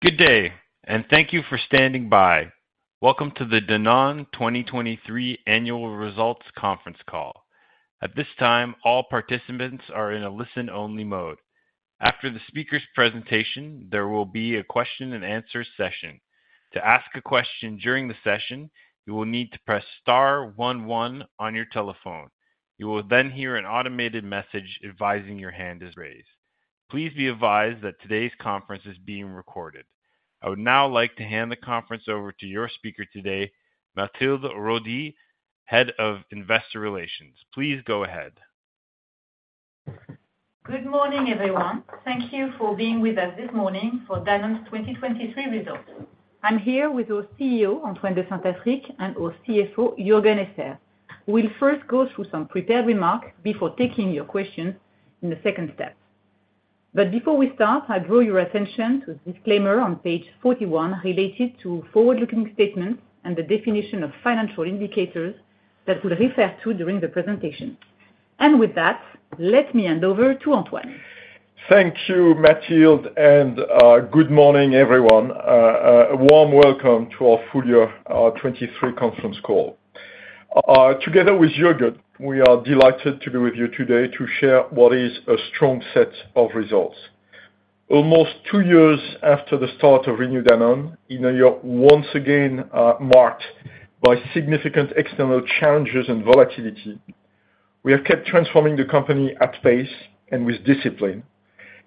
Good day, and thank you for standing by. Welcome to the Danone 2023 Annual Results Conference Call. At this time, all participants are in a listen-only mode. After the speaker's presentation, there will be a question and answer session. To ask a question during the session, you will need to press star one one on your telephone. You will then hear an automated message advising your hand is raised. Please be advised that today's conference is being recorded. I would now like to hand the conference over to your speaker today, Mathilde Rodié, Head of Investor Relations. Please go ahead. Good morning, everyone. Thank you for being with us this morning for Danone's 2023 results. I'm here with our CEO, Antoine de Saint-Affrique, and our CFO, Juergen Esser. We'll first go through some prepared remarks before taking your questions in the second step. But before we start, I draw your attention to the disclaimer on page 41, related to forward-looking statements and the definition of financial indicators that we'll refer to during the presentation. With that, let me hand over to Antoine. Thank you, Mathilde, and good morning, everyone. A warm welcome to our full year 2023 conference call. Together with Juergen, we are delighted to be with you today to share what is a strong set of results. Almost two years after the start of Renew Danone, in a year once again marked by significant external challenges and volatility, we have kept transforming the company at pace and with discipline,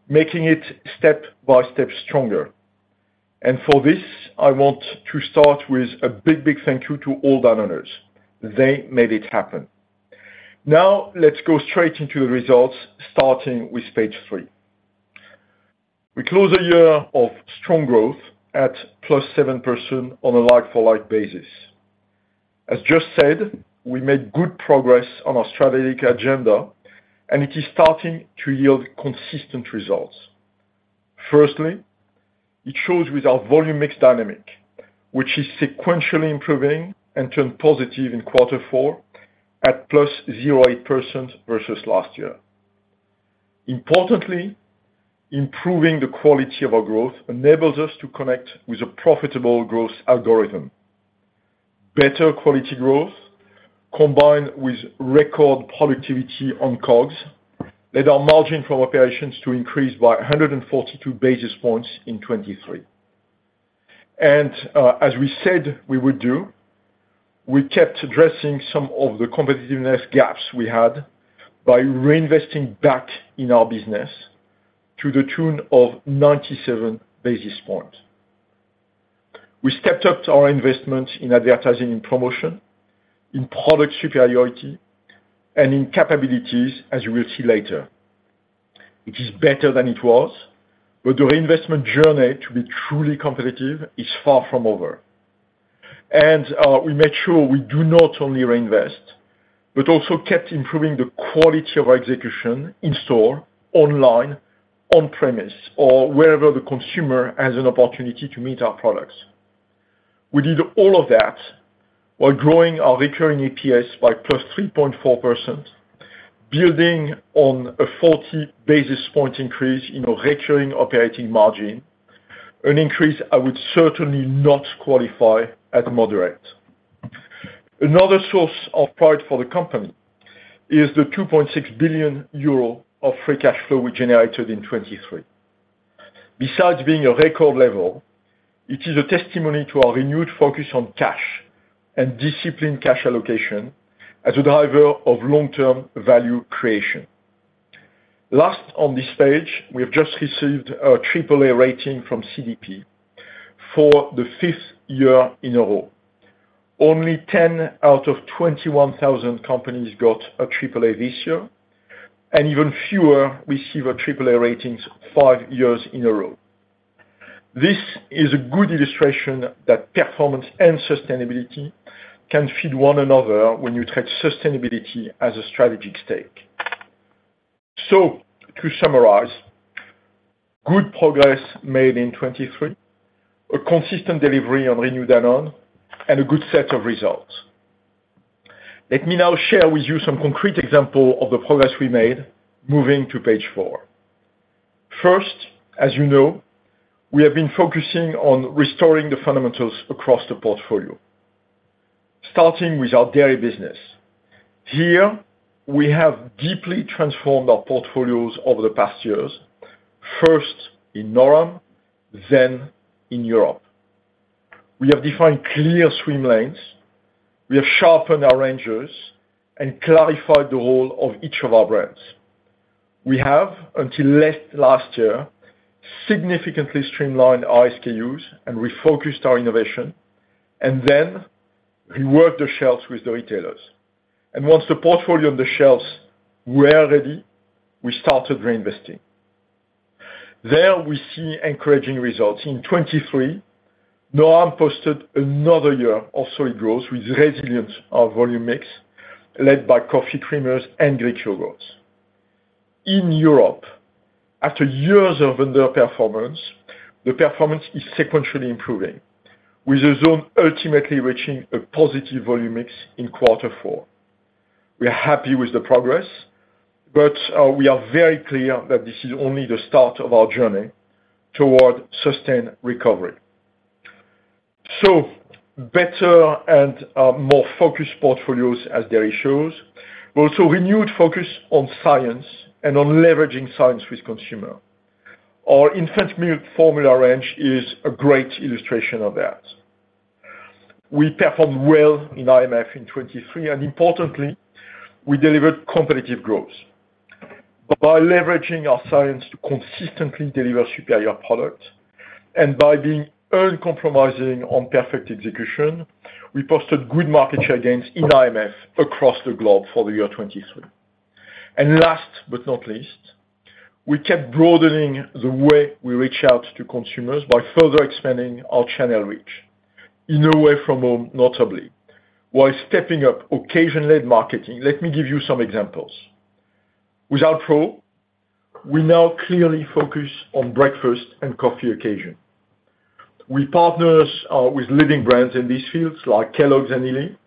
making it step by step stronger. And for this, I want to start with a big, big thank you to all Danoners. They made it happen. Now, let's go straight into the results, starting with page 3. We close a year of strong growth at +7% on a like-for-like basis. As just said, we made good progress on our strategic agenda, and it is starting to yield consistent results. Firstly, it shows with our volume mix dynamic, which is sequentially improving and turned positive in quarter four at +0.8% versus last year. Importantly, improving the quality of our growth enables us to connect with a profitable growth algorithm. Better quality growth, combined with record productivity on COGS, led our margin from operations to increase by 142 basis points in 2023. And, as we said we would do, we kept addressing some of the competitiveness gaps we had by reinvesting back in our business to the tune of 97 basis points. We stepped up our investment in advertising and promotion, in product superiority, and in capabilities, as you will see later. It is better than it was, but the reinvestment journey to be truly competitive is far from over. We made sure we do not only reinvest, but also kept improving the quality of our execution in store, online, on premise, or wherever the consumer has an opportunity to meet our products. We did all of that while growing our recurring EPS by +3.4%, building on a 40 basis point increase in our recurring operating margin, an increase I would certainly not qualify as moderate. Another source of pride for the company is the 2.6 billion euro of free cash flow we generated in 2023. Besides being a record level, it is a testimony to our renewed focus on cash and disciplined cash allocation as a driver of long-term value creation. Last on this page, we have just received a AAA rating from CDP for the fifth year in a row. Only 10 out of 21,000 companies got a AAA this year, and even fewer receive AAA ratings five years in a row. This is a good illustration that performance and sustainability can feed one another when you take sustainability as a strategic stake. So to summarize, good progress made in 2023, a consistent delivery on Renew Danone, and a good set of results. Let me now share with you some concrete example of the progress we made, moving to page 4. First, as you know, we have been focusing on restoring the fundamentals across the portfolio, starting with our dairy business. Here, we have deeply transformed our portfolios over the past years, first in Noram, then in Europe. We have defined clear swim lanes, we have sharpened our ranges, and clarified the role of each of our brands. We have, until late last year, significantly streamlined our SKUs and refocused our innovation, and then reworked the shelves with the retailers. Once the portfolio on the shelves were ready, we started reinvesting. There we see encouraging results. In 2023, Noram posted another year of solid growth with resilience of volume mix, led by coffee creamers and Greek yogurts. In Europe, after years of underperformance, the performance is sequentially improving, with the zone ultimately reaching a positive volume mix in Q4. We are happy with the progress, but we are very clear that this is only the start of our journey toward sustained recovery. Better and more focused portfolios address the issues, but also renewed focus on science and on leveraging science with consumer. Our infant milk formula range is a great illustration of that. We performed well in IMF in 2023, and importantly, we delivered competitive growth. By leveraging our science to consistently deliver superior products and by being uncompromising on perfect execution, we posted good market share gains in IMF across the globe for the year 2023. And last but not least, we kept broadening the way we reach out to consumers by further expanding our channel reach away from home, notably, while stepping up occasion-led marketing. Let me give you some examples. With Alpro, we now clearly focus on breakfast and coffee occasion. We partner with leading brands in these fields, like Kellogg's and Illy,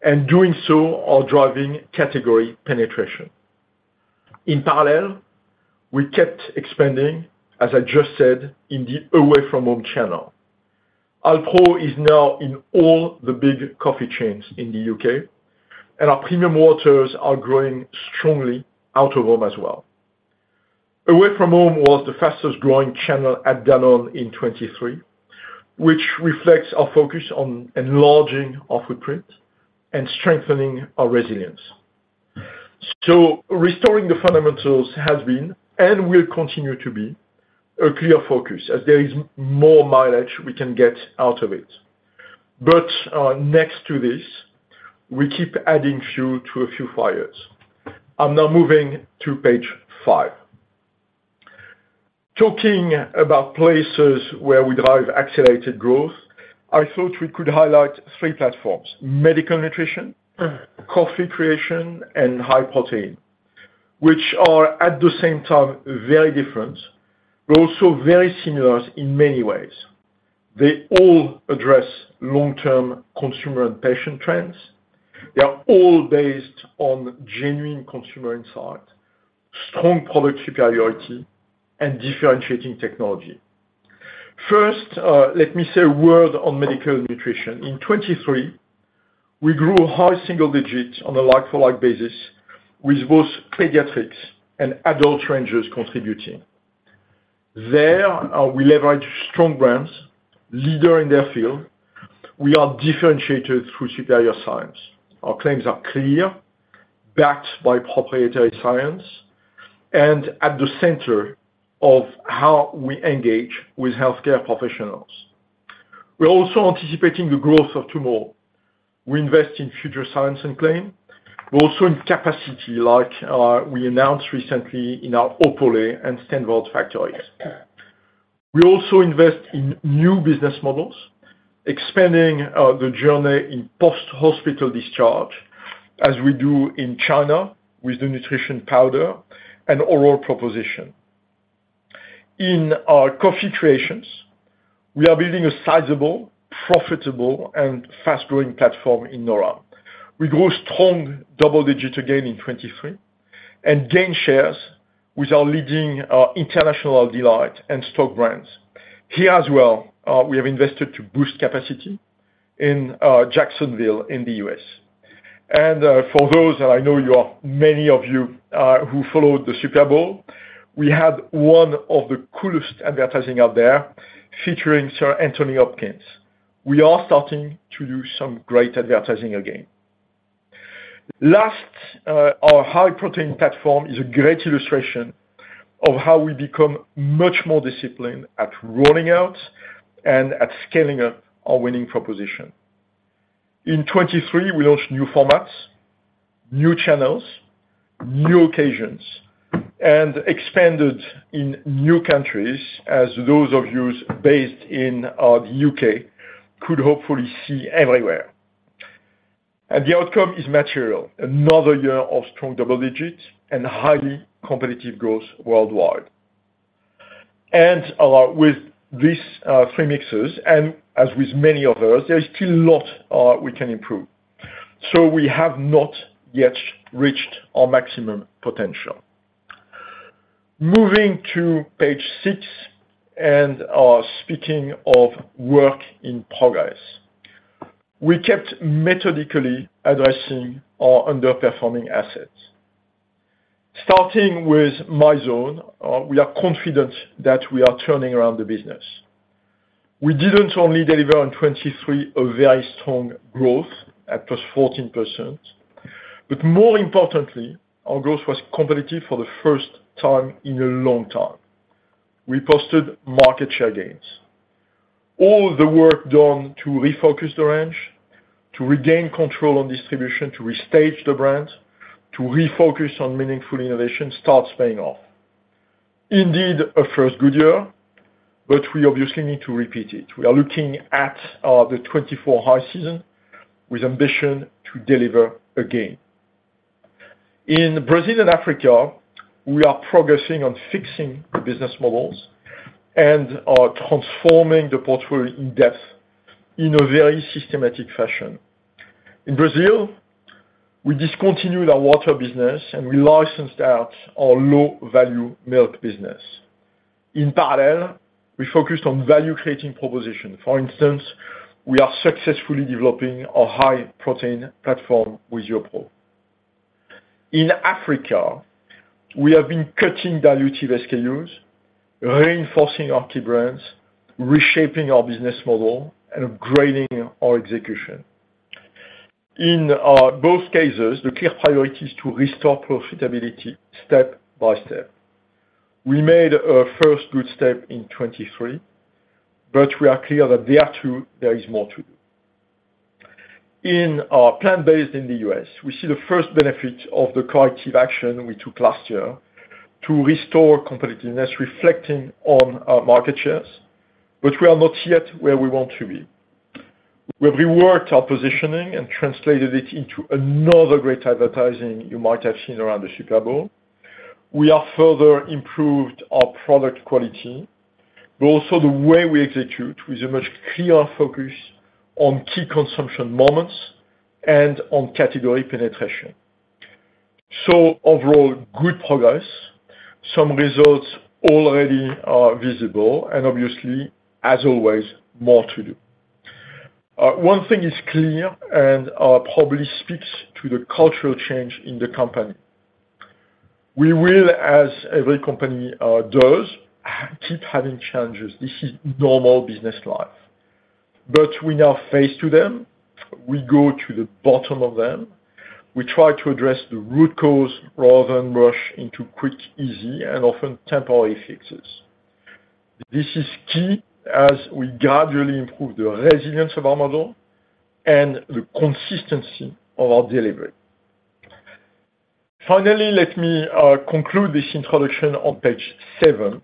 and doing so are driving category penetration. In parallel, we kept expanding, as I just said, in the away-from-home channel. Alpro is now in all the big coffee chains in the U.K., and our premium Waters are growing strongly out of home as well. Away from home was the fastest growing channel at Danone in 2023, which reflects our focus on enlarging our footprint and strengthening our resilience. So restoring the fundamentals has been, and will continue to be, a clear focus as there is more mileage we can get out of it. But next to this, we keep adding fuel to a few fires. I'm now moving to page 5. Talking about places where we drive accelerated growth, I thought we could highlight 3 platforms: medical nutrition, coffee creamer, and high protein, which are, at the same time, very different, but also very similar in many ways. They all address long-term consumer and patient trends. They are all based on genuine consumer insight, strong product superiority, and differentiating technology. First, let me say a word on medical nutrition. In 2023, we grew high single digits on a like-for-like basis with both pediatrics and adult ranges contributing. There, we leverage strong brands, leader in their field. We are differentiated through superior science. Our claims are clear, backed by proprietary science, and at the center of how we engage with healthcare professionals. We're also anticipating the growth of tomorrow. We invest in future science and claim. We're also in capacity, like, we announced recently in our Opole and Steenvoorde factories. We also invest in new business models, expanding, the journey in post-hospital discharge, as we do in China with the nutrition powder and oral proposition. In our Coffee Creations, we are building a sizable, profitable, and fast-growing platform in Noram. We grew strong double digits again in 2023, and gained shares with our leading, International Delight and SToK brands. Here as well, we have invested to boost capacity in, Jacksonville, in the U.S. And, for those, and I know you are many of you, who followed the Super Bowl, we had one of the coolest advertising out there, featuring Sir Anthony Hopkins. We are starting to do some great advertising again. Last, our high protein platform is a great illustration of how we become much more disciplined at rolling out and at scaling up our winning proposition. In 2023, we launched new formats, new channels, new occasions, and expanded in new countries, as those of you based in, the U.K. could hopefully see everywhere. And the outcome is material. Another year of strong double digits and highly competitive growth worldwide. And, with these, three mixes, and as with many others, there is still a lot, we can improve. So we have not yet reached our maximum potential. Moving to page 6, speaking of work in progress. We kept methodically addressing our underperforming assets. Starting with Mizone, we are confident that we are turning around the business. We didn't only deliver in 2023 a very strong growth at +14%, but more importantly, our growth was competitive for the first time in a long time. We posted market share gains. All the work done to refocus the range, to regain control on distribution, to restage the brand, to refocus on meaningful innovation, starts paying off. Indeed, a first good year, but we obviously need to repeat it. We are looking at the 2024 high season with ambition to deliver again.... In Brazil and Africa, we are progressing on fixing the business models and are transforming the portfolio in depth in a very systematic fashion. In Brazil, we discontinued our water business, and we licensed out our low-value milk business. In parallel, we focused on value-creating proposition. For instance, we are successfully developing our high-protein platform with YoPRO. In Africa, we have been cutting dilutive SKUs, reinforcing our key brands, reshaping our business model, and upgrading our execution. In both cases, the clear priority is to restore profitability step by step. We made a first good step in 2023, but we are clear that there, too, there is more to do. In our plant-based in the U.S., we see the first benefit of the corrective action we took last year to restore competitiveness, reflecting on our market shares, but we are not yet where we want to be. We've reworked our positioning and translated it into another great advertising you might have seen around the Super Bowl. We have further improved our product quality, but also the way we execute with a much clearer focus on key consumption moments and on category penetration. So overall, good progress. Some results already are visible and obviously, as always, more to do. One thing is clear and probably speaks to the cultural change in the company. We will, as every company does, keep having challenges. This is normal business life. But we now face to them, we go to the bottom of them, we try to address the root cause rather than rush into quick, easy, and often temporary fixes. This is key as we gradually improve the resilience of our model and the consistency of our delivery. Finally, let me conclude this introduction on page seven,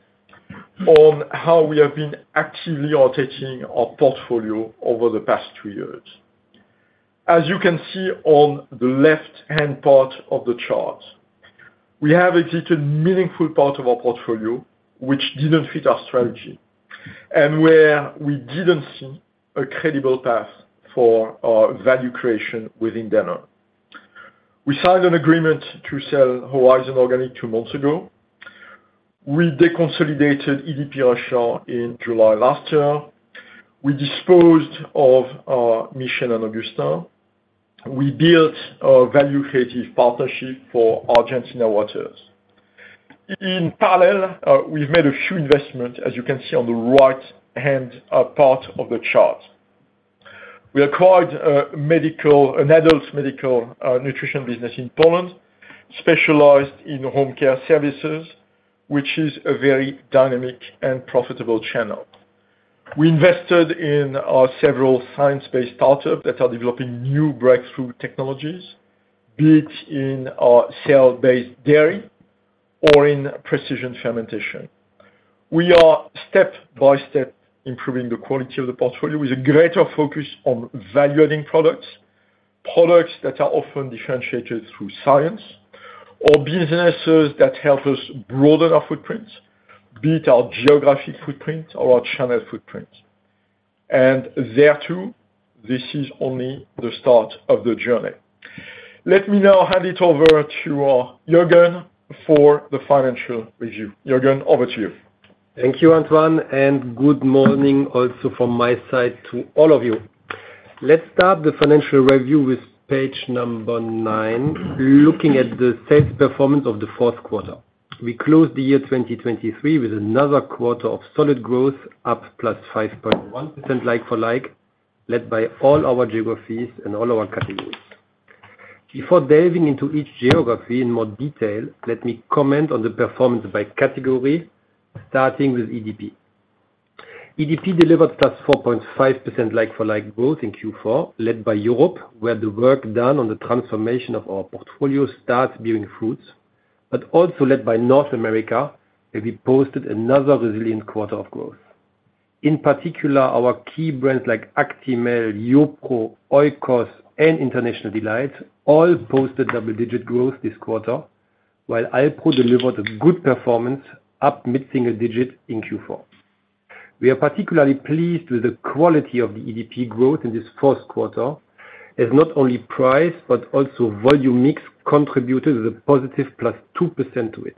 on how we have been actively altering our portfolio over the past two years. As you can see on the left-hand part of the chart, we have exited meaningful part of our portfolio, which didn't fit our strategy, and where we didn't see a credible path for value creation within Danone. We signed an agreement to sell Horizon Organic two months ago. We deconsolidated EDP Russia in July last year. We disposed of Michel et Augustin. We built a value-creative partnership for Argentina Waters. In parallel, we've made a few investments, as you can see on the right-hand part of the chart. We acquired an adult medical nutrition business in Poland, specialized in home care services, which is a very dynamic and profitable channel. We invested in several science-based startups that are developing new breakthrough technologies, be it in cell-based dairy or in precision fermentation. We are step by step improving the quality of the portfolio with a greater focus on value-adding products, products that are often differentiated through science, or businesses that help us broaden our footprint, be it our geographic footprint or our channel footprint. There, too, this is only the start of the journey. Let me now hand it over to our Juergen for the financial review. Juergen, over to you. Thank you, Antoine, and good morning also from my side to all of you. Let's start the financial review with page 9, looking at the sales performance of the Q4. We closed the year 2023 with another quarter of solid growth, up +5.1% like-for-like, led by all our geographies and all our categories. Before delving into each geography in more detail, let me comment on the performance by category, starting with EDP. EDP delivered +4.5% like-for-like growth in Q4, led by Europe, where the work done on the transformation of our portfolio starts bearing fruits, but also led by North America, where we posted another resilient quarter of growth. In particular, our key brands like Actimel, YoPRO, Oikos, and International Delight all posted double-digit growth this quarter, while Alpro delivered a good performance, up mid-single digit in Q4. We are particularly pleased with the quality of the EDP growth in this Q4, as not only price, but also volume mix, contributed a positive +2% to it.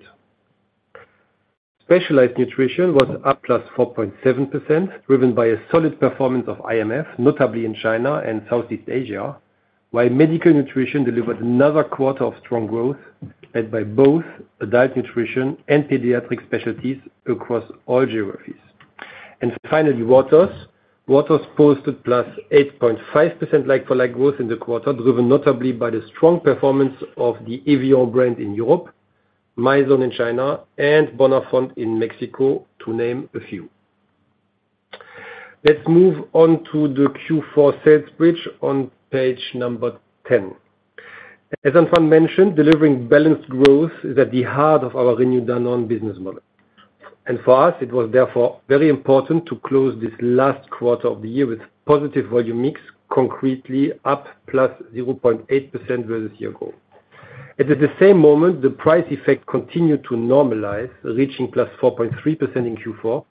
Specialized nutrition was up +4.7%, driven by a solid performance of IMF, notably in China and Southeast Asia, while medical nutrition delivered another quarter of strong growth, led by both diet, nutrition, and pediatric specialties across all geographies. Finally, Waters. Waters posted +8.5% like for like growth in the quarter, driven notably by the strong performance of the Evian brand in Europe, Mizone in China, and Bonafont in Mexico, to name a few. Let's move on to the Q4 sales bridge on page 10. As Antoine mentioned, delivering balanced growth is at the heart of our renewed Danone business model.... For us, it was therefore very important to close this last quarter of the year with positive volume mix, concretely up +0.8% versus year ago. At the same moment, the price effect continued to normalize, reaching +4.3% in Q4,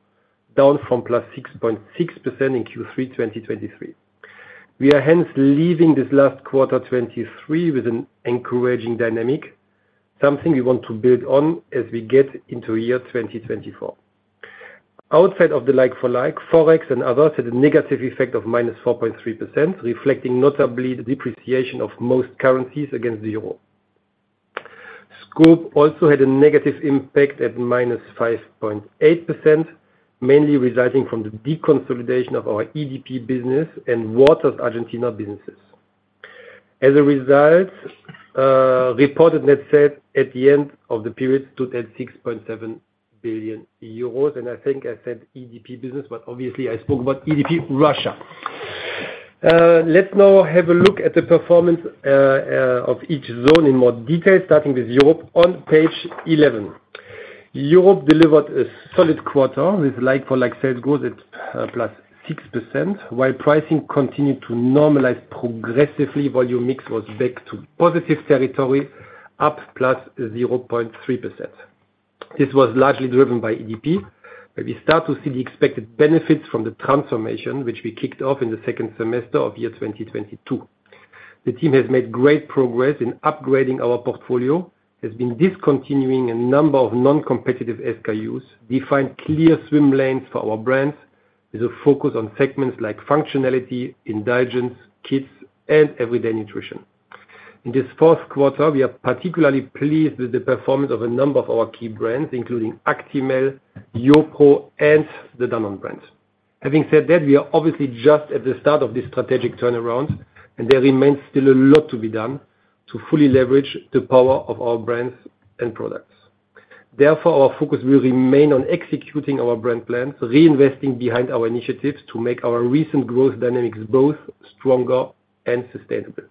down from +6.6% in Q3 2023. We are hence leaving this last quarter, 2023, with an encouraging dynamic, something we want to build on as we get into year 2024. Outside of the like-for-like, Forex and others had a negative effect of -4.3%, reflecting notably the depreciation of most currencies against the euro. Scope also had a negative impact at -5.8%, mainly resulting from the deconsolidation of our EDP business and Waters Argentina businesses. As a result, reported net sales at the end of the period stood at 6.7 billion euros, and I think I said EDP business, but obviously I spoke about EDP, Russia. Let's now have a look at the performance of each zone in more detail, starting with Europe on page 11. Europe delivered a solid quarter, with like-for-like sales growth at +6%. While pricing continued to normalize progressively, volume mix was back to positive territory, up +0.3%. This was largely driven by EDP, where we start to see the expected benefits from the transformation, which we kicked off in the second semester of 2022. The team has made great progress in upgrading our portfolio, has been discontinuing a number of non-competitive SKUs, defined clear swim lanes for our brands, with a focus on segments like functionality, indulgence, kids, and everyday nutrition. In this Q4, we are particularly pleased with the performance of a number of our key brands, including Actimel, YoPRO, and the Danone brand. Having said that, we are obviously just at the start of this strategic turnaround, and there remains still a lot to be done to fully leverage the power of our brands and products. Therefore, our focus will remain on executing our brand plans, reinvesting behind our initiatives to make our recent growth dynamics both stronger and sustainable.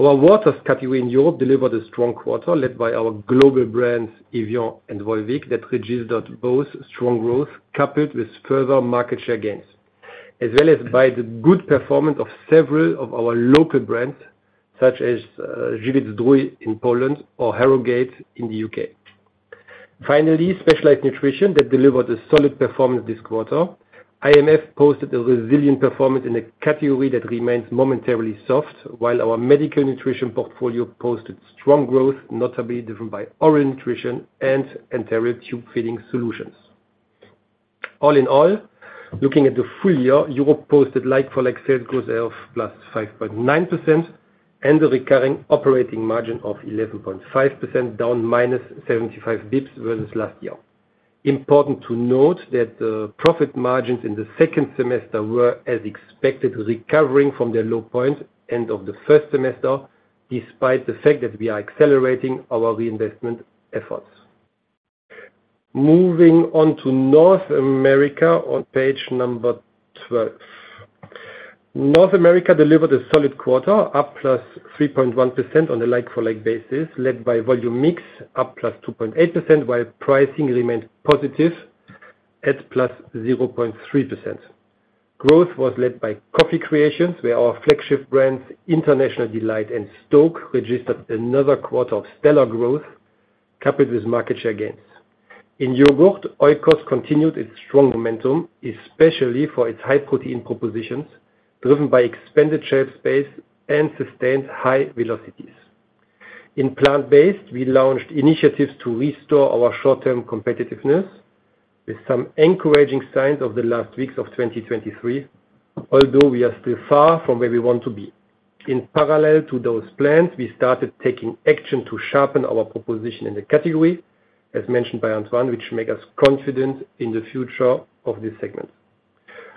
Our Waters category in Europe delivered a strong quarter, led by our global brands, Evian and Volvic, that registered both strong growth coupled with further market share gains, as well as by the good performance of several of our local brands, such as Żywiec Zdrój in Poland or Harrogate in the UK. Finally, specialized nutrition that delivered a solid performance this quarter. IMF posted a resilient performance in a category that remains momentarily soft, while our medical nutrition portfolio posted strong growth, notably driven by oral nutrition and enteral tube feeding solutions. All in all, looking at the full year, Europe posted like-for-like sales growth of +5.9%, and a recurring operating margin of 11.5%, down -75 basis points versus last year. Important to note that the profit margins in the second semester were, as expected, recovering from their low point end of the first semester, despite the fact that we are accelerating our reinvestment efforts. Moving on to North America on page 12. North America delivered a solid quarter, up +3.1% on a like-for-like basis, led by volume mix, up +2.8%, while pricing remained positive at +0.3%. Growth was led by Coffee Creations, where our flagship brands, International Delight and SToK, registered another quarter of stellar growth, coupled with market share gains. In yogurt, Oikos continued its strong momentum, especially for its high protein propositions, driven by expanded shelf space and sustained high velocities. In plant-based, we launched initiatives to restore our short-term competitiveness with some encouraging signs of the last weeks of 2023, although we are still far from where we want to be. In parallel to those plans, we started taking action to sharpen our proposition in the category, as mentioned by Antoine, which make us confident in the future of this segment.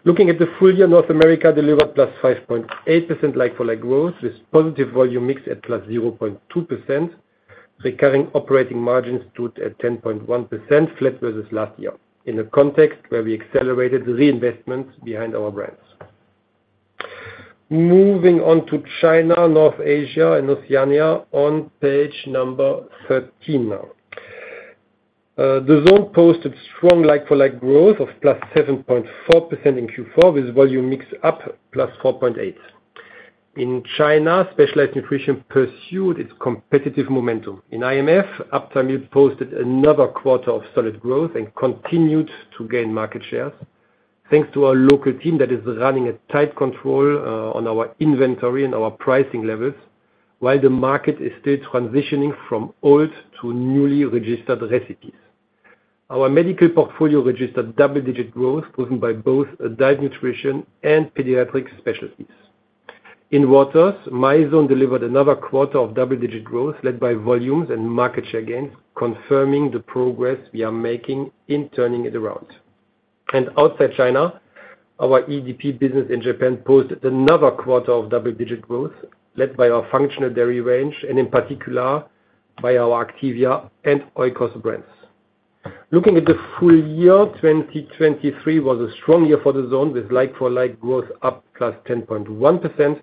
Looking at the full year, North America delivered +5.8% like-for-like growth, with positive volume mix at +0.2%. Recurring operating margins stood at 10.1%, flat versus last year, in a context where we accelerated reinvestments behind our brands. Moving on to China, North Asia, and Oceania on page 13 now. The zone posted strong like-for-like growth of +7.4% in Q4, with volume mix up +4.8. In China, specialized nutrition pursued its competitive momentum. In IMF, Aptamil posted another quarter of solid growth and continued to gain market shares, thanks to our local team that is running a tight control on our inventory and our pricing levels, while the market is still transitioning from old to newly registered recipes. Our medical portfolio registered double-digit growth, driven by both diet, nutrition, and pediatric specialties. In Waters, Mizone delivered another quarter of double-digit growth, led by volumes and market share gains, confirming the progress we are making in turning it around. Outside China, our EDP business in Japan posted another quarter of double-digit growth, led by our functional dairy range, and in particular, by our Activia and Oikos brands. Looking at the full year, 2023 was a strong year for the zone, with like-for-like growth up +10.1%.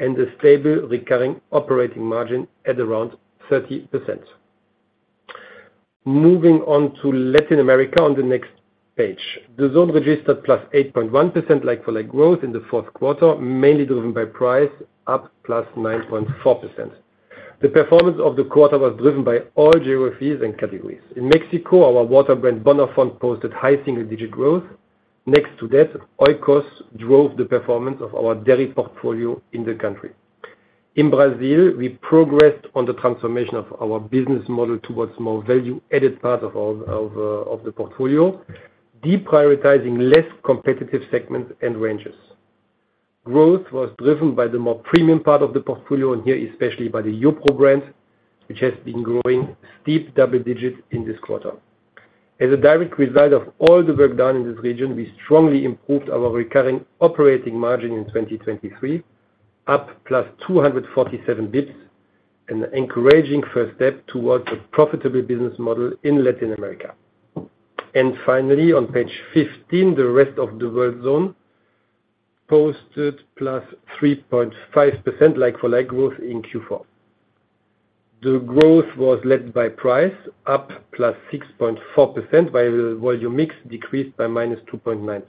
a stable recurring operating margin at around 30%. Moving on to Latin America on the next page. The zone registered +8.1% like-for-like growth in the Q4, mainly driven by price, up +9.4%. The performance of the quarter was driven by all geographies and categories. In Mexico, our water brand, Bonafont, posted high single-digit growth. Next to that, Oikos drove the performance of our dairy portfolio in the country. In Brazil, we progressed on the transformation of our business model towards more value-added part of the portfolio, deprioritizing less competitive segments and ranges. Growth was driven by the more premium part of the portfolio, and here, especially by the YoPRO brand, which has been growing steep double digits in this quarter. As a direct result of all the work done in this region, we strongly improved our recurring operating margin in 2023, up +247 bps, an encouraging first step towards a profitable business model in Latin America. Finally, on page 15, the Rest of the World zone posted +3.5% like-for-like growth in Q4. The growth was led by price, up +6.4%, while the volume mix decreased by -2.9%.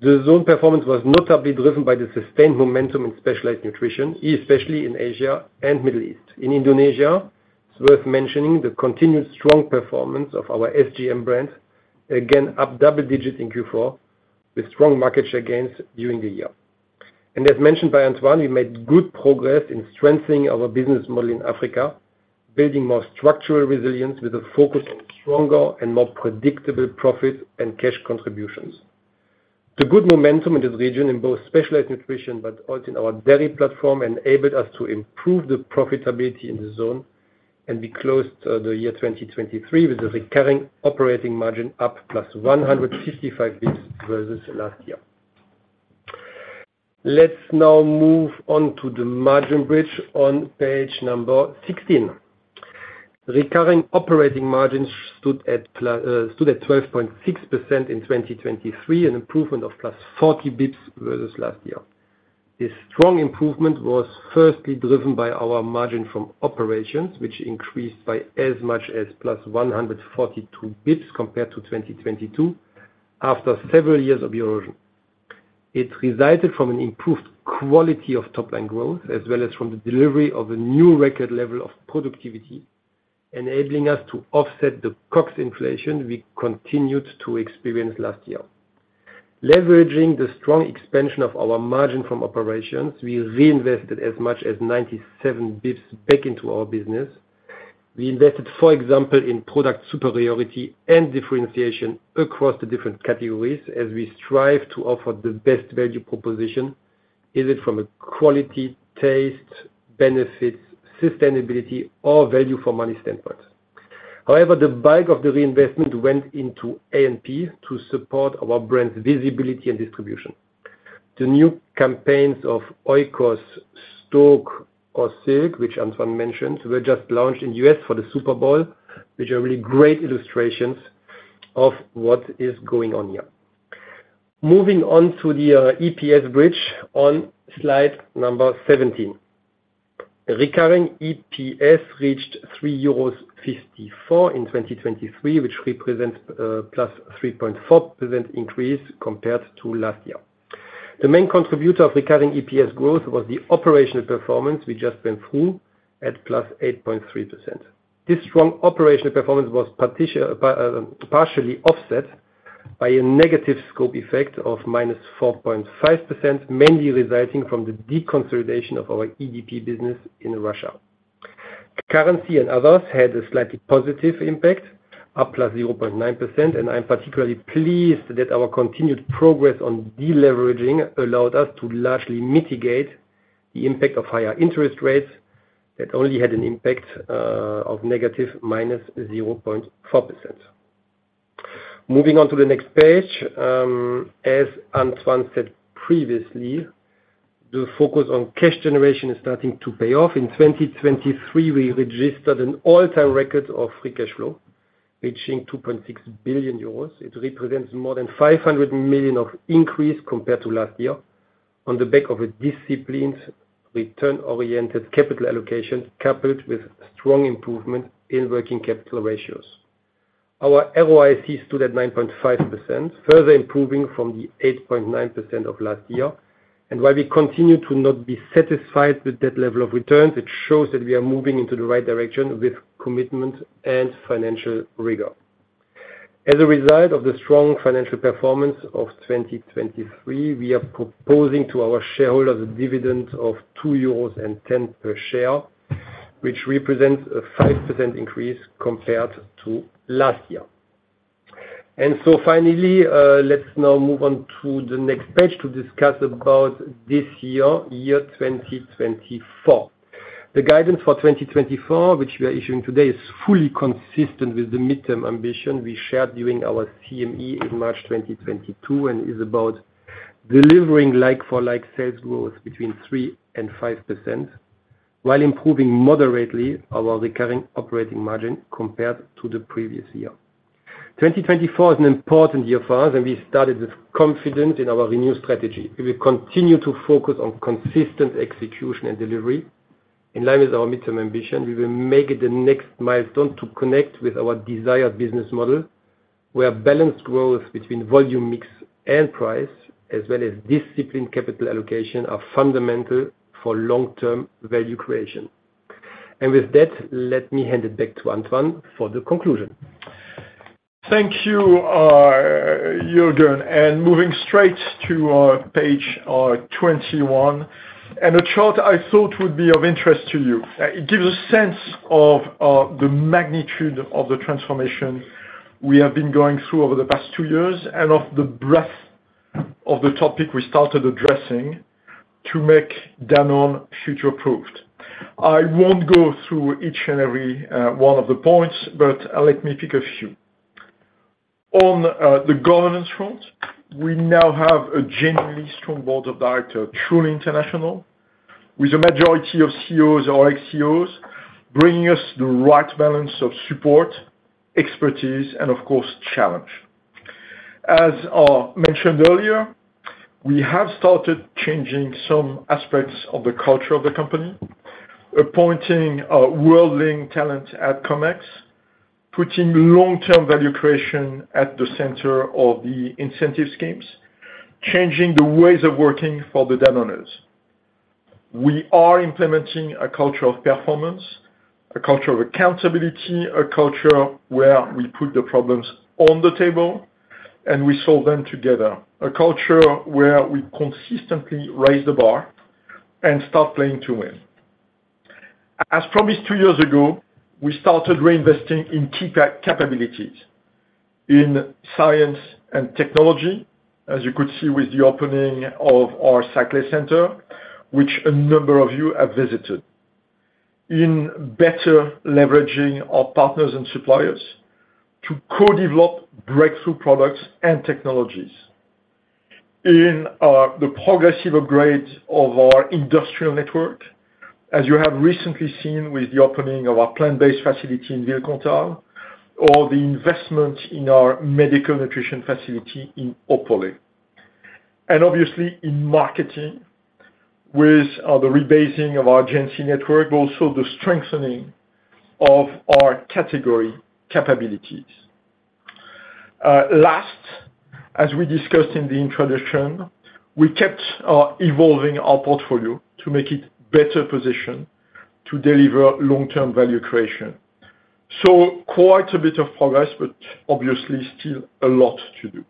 The zone performance was notably driven by the sustained momentum in specialized nutrition, especially in Asia and Middle East. In Indonesia, it's worth mentioning the continued strong performance of our SGM brand, again, up double digits in Q4, with strong market share gains during the year. As mentioned by Antoine, we made good progress in strengthening our business model in Africa, building more structural resilience with a focus on stronger and more predictable profit and cash contributions. The good momentum in this region, in both specialized nutrition but also in our dairy platform, enabled us to improve the profitability in the zone, and we closed the year 2023 with a recurring operating margin up +155 basis points versus last year. Let's now move on to the margin bridge on page 16. Recurring operating margins stood at 12.6% in 2023, an improvement of +40 basis points versus last year. This strong improvement was firstly driven by our margin from operations, which increased by as much as +142 basis points compared to 2022, after several years of erosion. It resulted from an improved quality of top-line growth, as well as from the delivery of a new record level of productivity, enabling us to offset the COGS inflation we continued to experience last year. Leveraging the strong expansion of our margin from operations, we reinvested as much as 97 basis points back into our business. We invested, for example, in product superiority and differentiation across the different categories as we strive to offer the best value proposition, is it from a quality, taste, benefits, sustainability, or value for money standpoint. However, the bulk of the investment went into A&P to support our brand's visibility and distribution. The new campaigns of Oikos, SToK, or Silk, which Antoine mentioned, were just launched in the U.S. for the Super Bowl, which are really great illustrations of what is going on here. Moving on to the EPS bridge on slide number 17. Recurring EPS reached €3.54 in 2023, which represents +3.4% increase compared to last year. The main contributor of recurring EPS growth was the operational performance we just went through at +8.3%. This strong operational performance was partially offset by a negative scope effect of -4.5%, mainly resulting from the deconsolidation of our EDP business in Russia. Currency and others had a slightly positive impact, up +0.9%, and I'm particularly pleased that our continued progress on deleveraging allowed us to largely mitigate the impact of higher interest rates that only had an impact of negative -0.4%. Moving on to the next page, as Antoine said previously, the focus on cash generation is starting to pay off. In 2023, we registered an all-time record of free cash flow, reaching 2.6 billion euros. It represents more than 500 million of increase compared to last year on the back of a disciplined, return-oriented capital allocation, coupled with strong improvement in working capital ratios. Our ROIC stood at 9.5%, further improving from the 8.9% of last year. And while we continue to not be satisfied with that level of returns, it shows that we are moving into the right direction with commitment and financial rigor. As a result of the strong financial performance of 2023, we are proposing to our shareholders a dividend of 2.10 euros per share, which represents a 5% increase compared to last year. And so finally, let's now move on to the next page to discuss about this year, year 2024. The guidance for 2024, which we are issuing today, is fully consistent with the midterm ambition we shared during our CME in March 2022, and is about delivering like-for-like sales growth between 3% and 5%, while improving moderately our recurring operating margin compared to the previous year. 2024 is an important year for us, and we started with confidence in our renewed strategy. We will continue to focus on consistent execution and delivery. In line with our midterm ambition, we will make it the next milestone to connect with our desired business model, where balanced growth between volume, mix, and price, as well as disciplined capital allocation, are fundamental for long-term value creation. And with that, let me hand it back to Antoine for the conclusion. Thank you, Juergen, and moving straight to, page 21, and a chart I thought would be of interest to you. It gives a sense of the magnitude of the transformation we have been going through over the past 2 years, and of the breadth of the topic we started addressing to make Danone future-proofed. I won't go through each and every, one of the points, but let me pick a few. On, the governance front, we now have a genuinely strong board of directors, truly international, with a majority of CEOs or ex-CEOs, bringing us the right balance of support, expertise, and of course, challenge. As mentioned earlier, we have started changing some aspects of the culture of the company, appointing world-leading talent at Comex, putting long-term value creation at the center of the incentive schemes, changing the ways of working for the Danoners. We are implementing a culture of performance, a culture of accountability, a culture where we put the problems on the table, and we solve them together. A culture where we consistently raise the bar and start playing to win. As promised two years ago, we started reinvesting in key capabilities in science and technology, as you could see with the opening of our Saclay center, which a number of you have visited. In better leveraging our partners and suppliers to co-develop breakthrough products and technologies. In the progressive upgrade of our industrial network, as you have recently seen with the opening of our plant-based facility in Villecomtal, or the investment in our medical nutrition facility in Opole. Obviously, in marketing, with the rebasing of our agency network, also the strengthening of our category capabilities. Last, as we discussed in the introduction, we kept evolving our portfolio to make it better positioned to deliver long-term value creation. So quite a bit of progress, but obviously still a lot to do.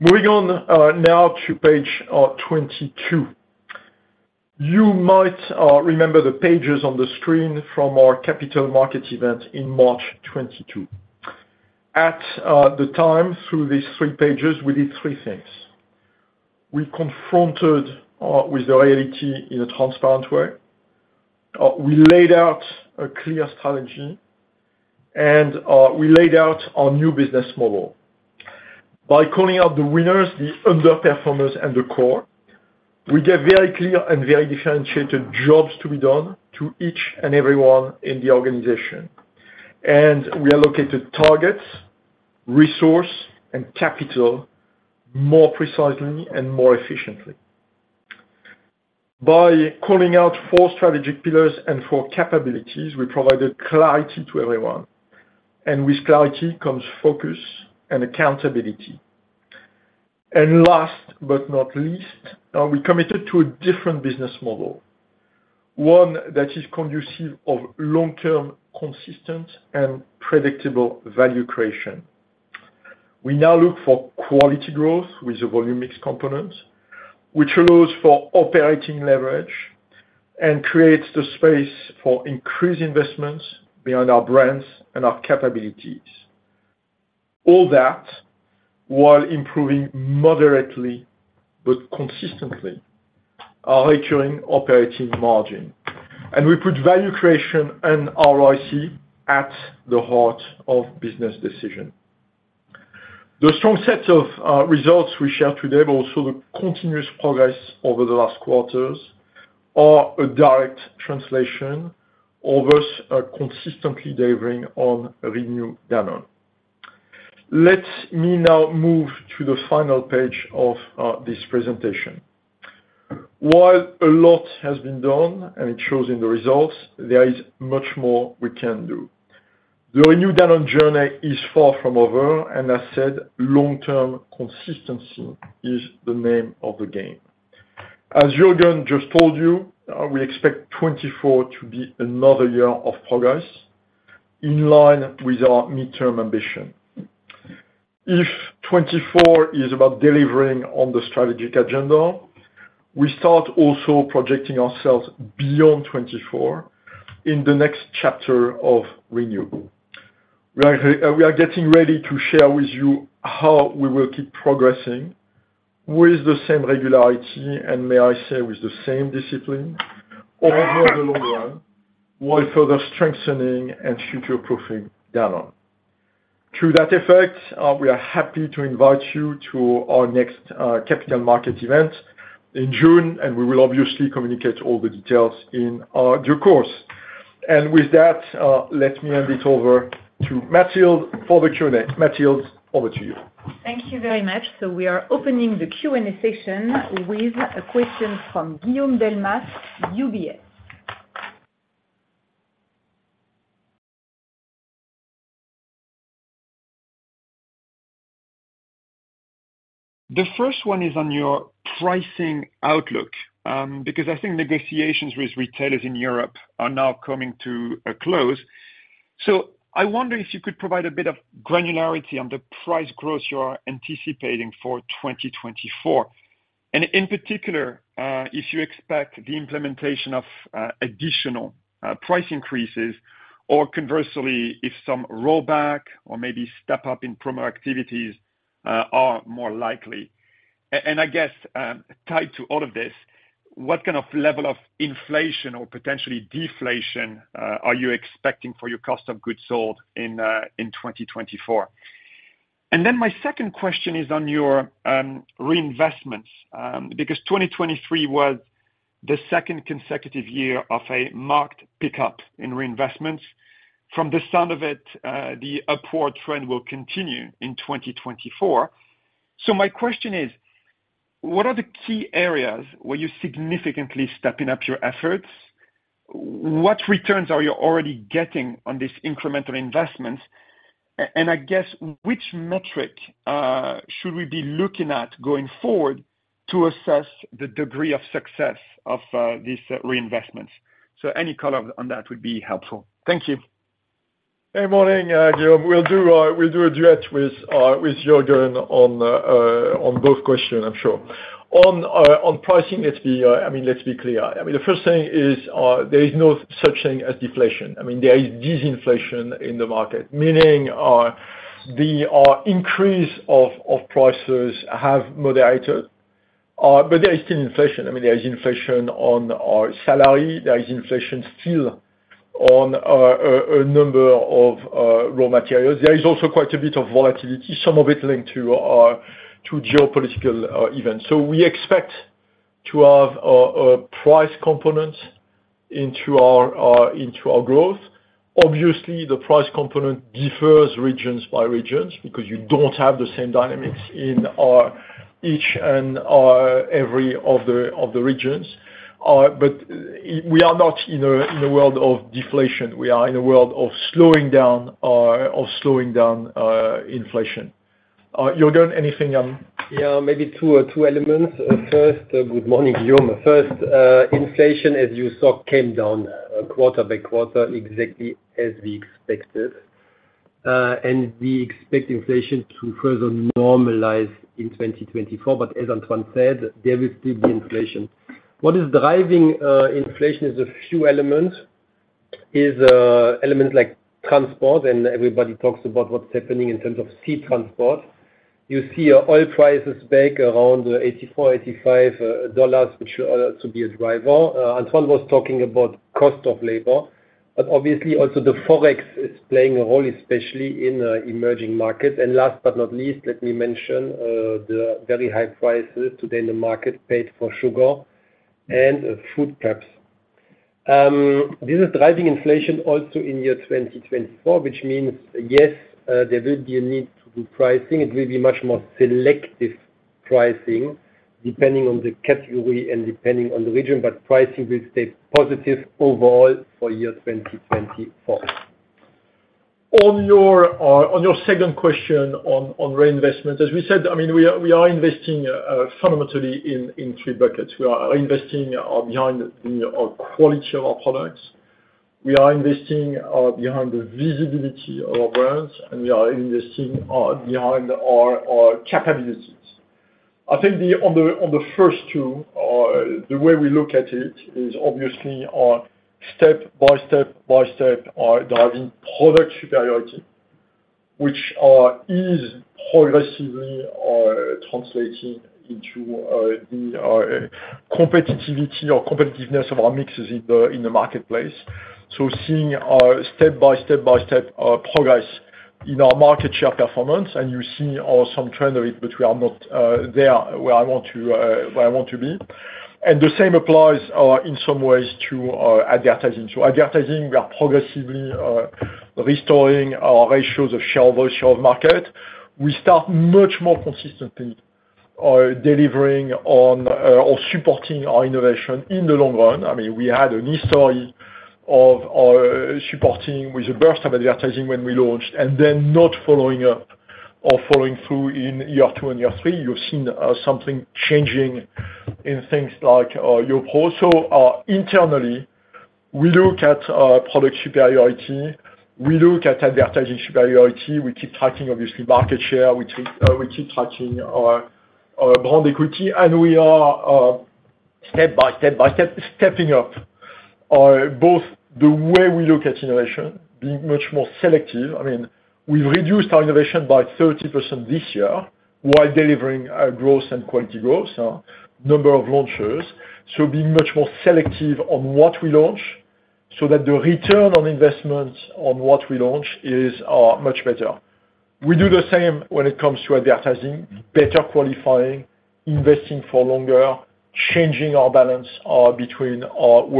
Moving on now to page 22. You might remember the pages on the screen from our capital market event in March 2022. At the time, through these three pages, we did three things. We confronted with the reality in a transparent way, we laid out a clear strategy, and we laid out our new business model. By calling out the winners, the underperformers, and the core, we gave very clear and very differentiated jobs to be done to each and everyone in the organization. We allocated targets, resource, and capital more precisely and more efficiently. By calling out four strategic pillars and four capabilities, we provided clarity to everyone, and with clarity comes focus and accountability. Last but not least, we committed to a different business model, one that is conducive of long-term, consistent, and predictable value creation. We now look for quality growth with the volume mix components, which allows for operating leverage and creates the space for increased investments behind our brands and our capabilities. All that while improving moderately but consistently our recurring operating margin. We put value creation and ROIC at the heart of business decision. The strong set of results we share today, but also the continuous progress over the last quarters, are a direct translation of us consistently delivering on Renew Danone. Let me now move to the final page of this presentation. While a lot has been done, and it shows in the results, there is much more we can do. The Renew Danone journey is far from over, and as said, long-term consistency is the name of the game. As Juergen just told you, we expect 2024 to be another year of progress, in line with our midterm ambition. If 2024 is about delivering on the strategic agenda, we start also projecting ourselves beyond 2024 in the next chapter of renewal. We are, we are getting ready to share with you how we will keep progressing with the same regularity, and may I say, with the same discipline, over the long run, while further strengthening and future-proofing Danone. To that effect, we are happy to invite you to our next, capital market event in June, and we will obviously communicate all the details in due course. And with that, let me hand it over to Mathilde for the Q&A. Mathilde, over to you. Thank you very much. We are opening the Q&A session with a question from Guillaume Delmas, UBS. The first one is on your pricing outlook, because I think negotiations with retailers in Europe are now coming to a close. So I wonder if you could provide a bit of granularity on the price growth you are anticipating for 2024. And in particular, if you expect the implementation of additional price increases, or conversely, if some rollback or maybe step up in promo activities are more likely. And I guess, tied to all of this, what kind of level of inflation or potentially deflation are you expecting for your cost of goods sold in 2024? And then my second question is on your reinvestments, because 2023 was the second consecutive year of a marked pickup in reinvestments. From the sound of it, the upward trend will continue in 2024. So my question is, what are the key areas where you're significantly stepping up your efforts? What returns are you already getting on this incremental investments? And I guess, which metric should we be looking at going forward to assess the degree of success of these reinvestments? So any color on that would be helpful. Thank you. Hey, morning, Guillaume. We'll do a duet with Juergen on both questions, I'm sure. On pricing, let's be, I mean, let's be clear. I mean, the first thing is, there is no such thing as deflation. I mean, there is disinflation in the market, meaning the increase of prices have moderated, but there is still inflation. I mean, there is inflation on our salary, there is inflation still on a number of raw materials. There is also quite a bit of volatility, some of it linked to geopolitical events. So we expect to have a price component into our growth. Obviously, the price component differs region by region, because you don't have the same dynamics in each and every one of the regions. But we are not in a world of deflation; we are in a world of slowing down inflation. Juergen, anything on- Yeah, maybe two, two elements. First, good morning, Guillaume. First, inflation, as you saw, came down, quarter by quarter, exactly as we expected. And we expect inflation to further normalize in 2024, but as Antoine said, there will still be inflation. What is driving inflation is a few elements like transport, and everybody talks about what's happening in terms of sea transport. You see oil prices back around $84-$85, which to be a driver. Antoine was talking about cost of labor, but obviously also the Forex is playing a role, especially in emerging markets. And last but not least, let me mention the very high prices today in the market paid for sugar and food crops. This is driving inflation also in year 2024, which means, yes, there will be a need to do pricing. It will be much more selective pricing, depending on the category and depending on the region, but pricing will stay positive overall for year 2024. On your, on your second question on, on reinvestment, as we said, I mean, we are, we are investing, fundamentally in, in three buckets. We are investing, behind the quality of our products, we are investing, behind the visibility of our brands, and we are investing, behind our, our capabilities. I think the, on the, on the first two, the way we look at it is obviously on step by step by step, driving product superiority, which, is progressively, translating into, the, competitiveness of our mixes in the, in the marketplace. So seeing, step by step by step, progress in our market share performance, and you see, some trend of it, but we are not, there where I want to, where I want to be. The same applies in some ways to advertising. Advertising, we are progressively restoring our ratios of share versus share of market. We start much more consistently delivering on or supporting our innovation in the long run. I mean, we had a history of supporting with a burst of advertising when we launched, and then not following up or following through in year two and year three. You've seen something changing in things like YoPRO. Internally, we look at product superiority, we look at advertising superiority, we keep tracking obviously market share, we keep tracking our brand equity, and we are step by step by step stepping up both the way we look at innovation, being much more selective. I mean, we've reduced our innovation by 30% this year while delivering growth and quality growth, so number of launches. So being much more selective on what we launch... so that the return on investments on what we launch is much better. We do the same when it comes to advertising, better qualifying, investing for longer, changing our balance between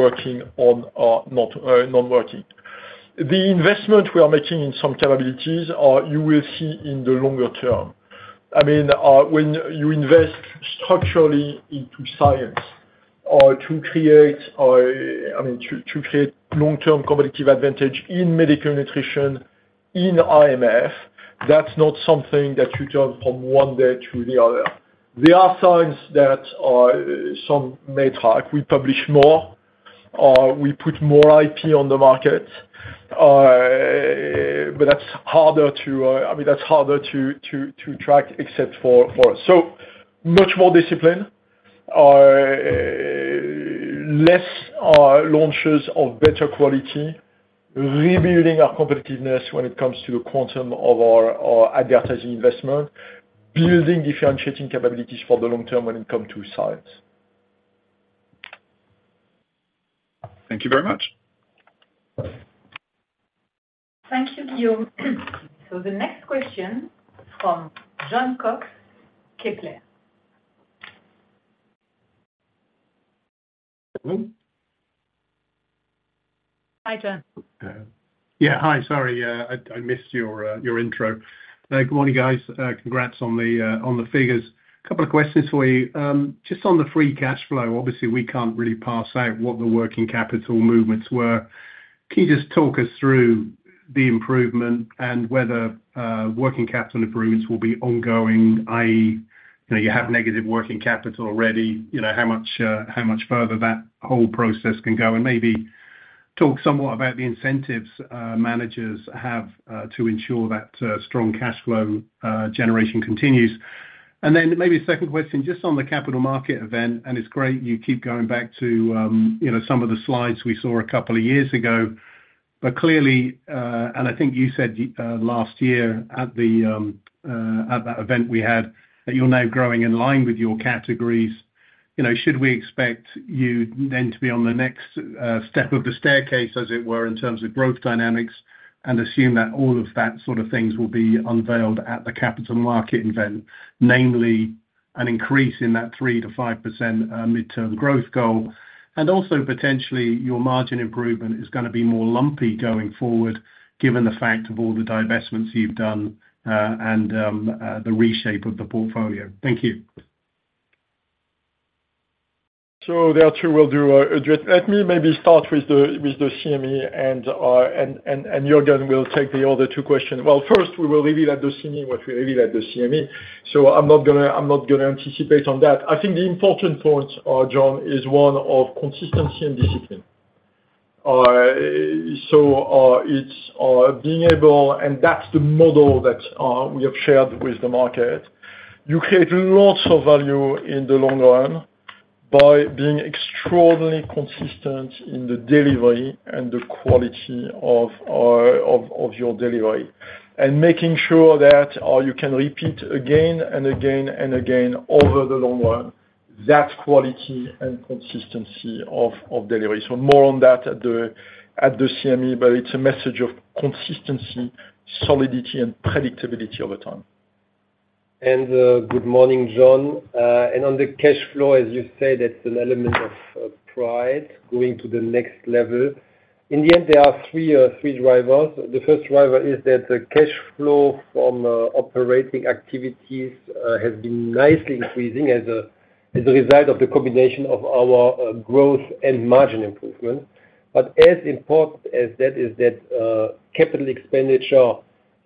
working on not non-working. The investment we are making in some capabilities, you will see in the longer term. I mean, when you invest structurally into science or to create or, I mean, to, to create long-term competitive advantage in medical nutrition, in IMF, that's not something that you turn from one day to the other. There are signs that some may talk. We publish more, we put more IP on the market, but that's harder to, I mean, that's harder to track except for. So much more discipline, less launches of better quality, rebuilding our competitiveness when it comes to the quantum of our advertising investment, building differentiating capabilities for the long term when it come to science. Thank you very much. Thank you, Guillaume. So the next question from Jon Cox, Kepler Cheuvreux. Hi, Jon. Yeah, hi. Sorry, I missed your intro. Good morning, guys. Congrats on the figures. Couple of questions for you. Just on the free cash flow, obviously, we can't really parse out what the working capital movements were. Can you just talk us through the improvement and whether working capital improvements will be ongoing, i.e., you know, you have negative working capital already, you know, how much further that whole process can go? And maybe talk somewhat about the incentives managers have to ensure that strong cash flow generation continues. And then maybe a second question, just on the capital market event, and it's great you keep going back to, you know, some of the slides we saw a couple of years ago. But clearly, and I think you said last year at the at that event we had, that you're now growing in line with your categories. You know, should we expect you then to be on the next step of the staircase, as it were, in terms of growth dynamics, and assume that all of that sort of things will be unveiled at the capital market event, namely an increase in that 3%-5% midterm growth goal? And also, potentially, your margin improvement is gonna be more lumpy going forward, given the fact of all the divestments you've done, and the reshape of the portfolio. Thank you. So the other two will address. Let me maybe start with the CME, and Juergen will take the other two questions. Well, first, we will reveal at the CME what we revealed at the CME, so I'm not gonna, I'm not gonna anticipate on that. I think the important point, John, is one of consistency and discipline. So, it's being able, and that's the model that we have shared with the market. You create lots of value in the long run by being extraordinarily consistent in the delivery and the quality of your delivery, and making sure that you can repeat again and again and again over the long run, that quality and consistency of delivery. More on that at the CME, but it's a message of consistency, solidity, and predictability over time. Good morning, John. On the cash flow, as you said, it's an element of pride going to the next level. In the end, there are three drivers. The first driver is that the cash flow from operating activities has been nicely increasing as a result of the combination of our growth and margin improvement. But as important as that is, capital expenditure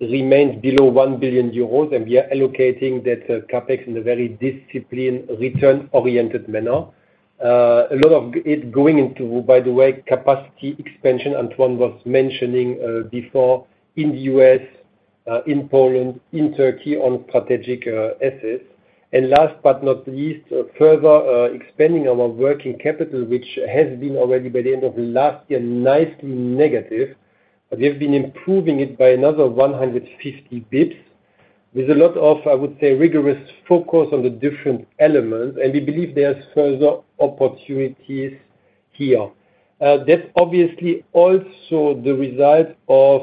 remains below 1 billion euros, and we are allocating that CapEx in a very disciplined, return-oriented manner. A lot of it's going into, by the way, capacity expansion, Antoine was mentioning before, in the U.S., in Poland, in Turkey, on strategic assets. And last but not least, further expanding our working capital, which has been already by the end of last year nicely negative. We have been improving it by another 150 basis points, with a lot of, I would say, rigorous focus on the different elements, and we believe there are further opportunities here. That's obviously also the result of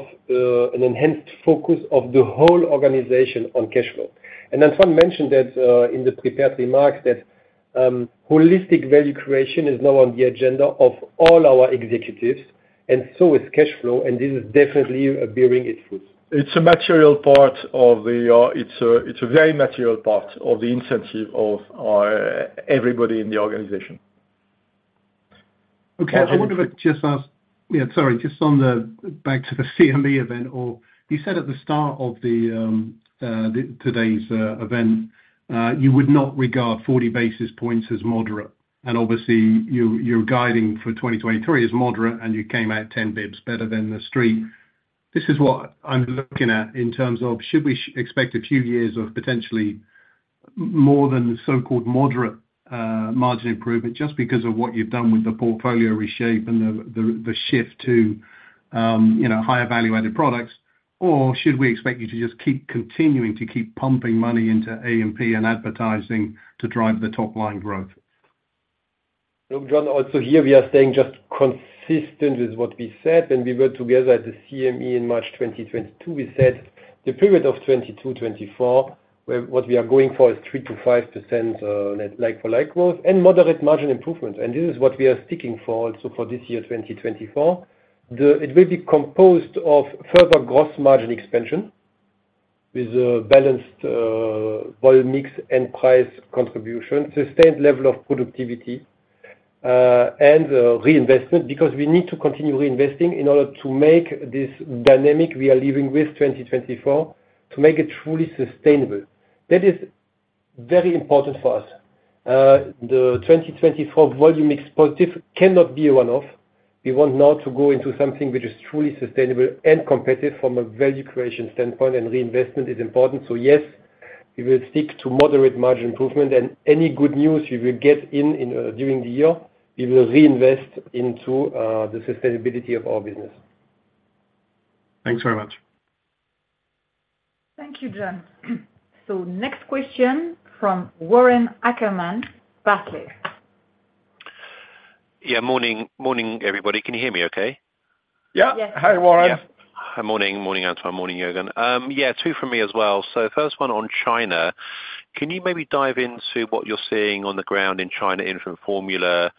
an enhanced focus of the whole organization on cash flow. Antoine mentioned that, in the prepared remarks, that holistic value creation is now on the agenda of all our executives, and so is cash flow, and this is definitely bearing its fruit. It's a very material part of the incentive of everybody in the organization. Okay, I wonder if I could just ask? Yeah, sorry, just on the, back to the CME event, or you said at the start of the, today's event, you would not regard 40 basis points as moderate. And obviously, you, you're guiding for 2023 as moderate, and you came out 10 basis points better than the street. This is what I'm looking at in terms of, should we expect a few years of potentially more than the so-called moderate, margin improvement, just because of what you've done with the portfolio reshape and the, the shift to, you know, higher evaluated products? Or should we expect you to just keep continuing to keep pumping money into A&P and advertising to drive the top line growth? Look, John, also here we are staying just consistent with what we said, and we were together at the CME in March 2022. We said the period of 2024, where what we are going for is 3%-5%, net like-for-like growth and moderate margin improvement, and this is what we are sticking for, also for this year, 2024. The, it will be composed of further gross margin expansion with a balanced, volume mix and price contribution, sustained level of productivity, and, reinvestment, because we need to continue reinvesting in order to make this dynamic we are living with, 2024, to make it truly sustainable. That is very important for us. The 2024 volume mix positive cannot be a one-off. We want now to go into something which is truly sustainable and competitive from a value creation standpoint, and reinvestment is important. So yes, we will stick to moderate margin improvement and any good news we will get in during the year, we will reinvest into the sustainability of our business. Thanks very much. Thank you, John. So next question from Warren Ackerman, Barclays. Yeah, morning, morning, everybody. Can you hear me okay? Yeah. Yes. Hi, Warren. Hi. Morning, morning, Antoine, morning, Juergen. Yeah, two from me as well. So first one on China, can you maybe dive into what you're seeing on the ground in China infant formula?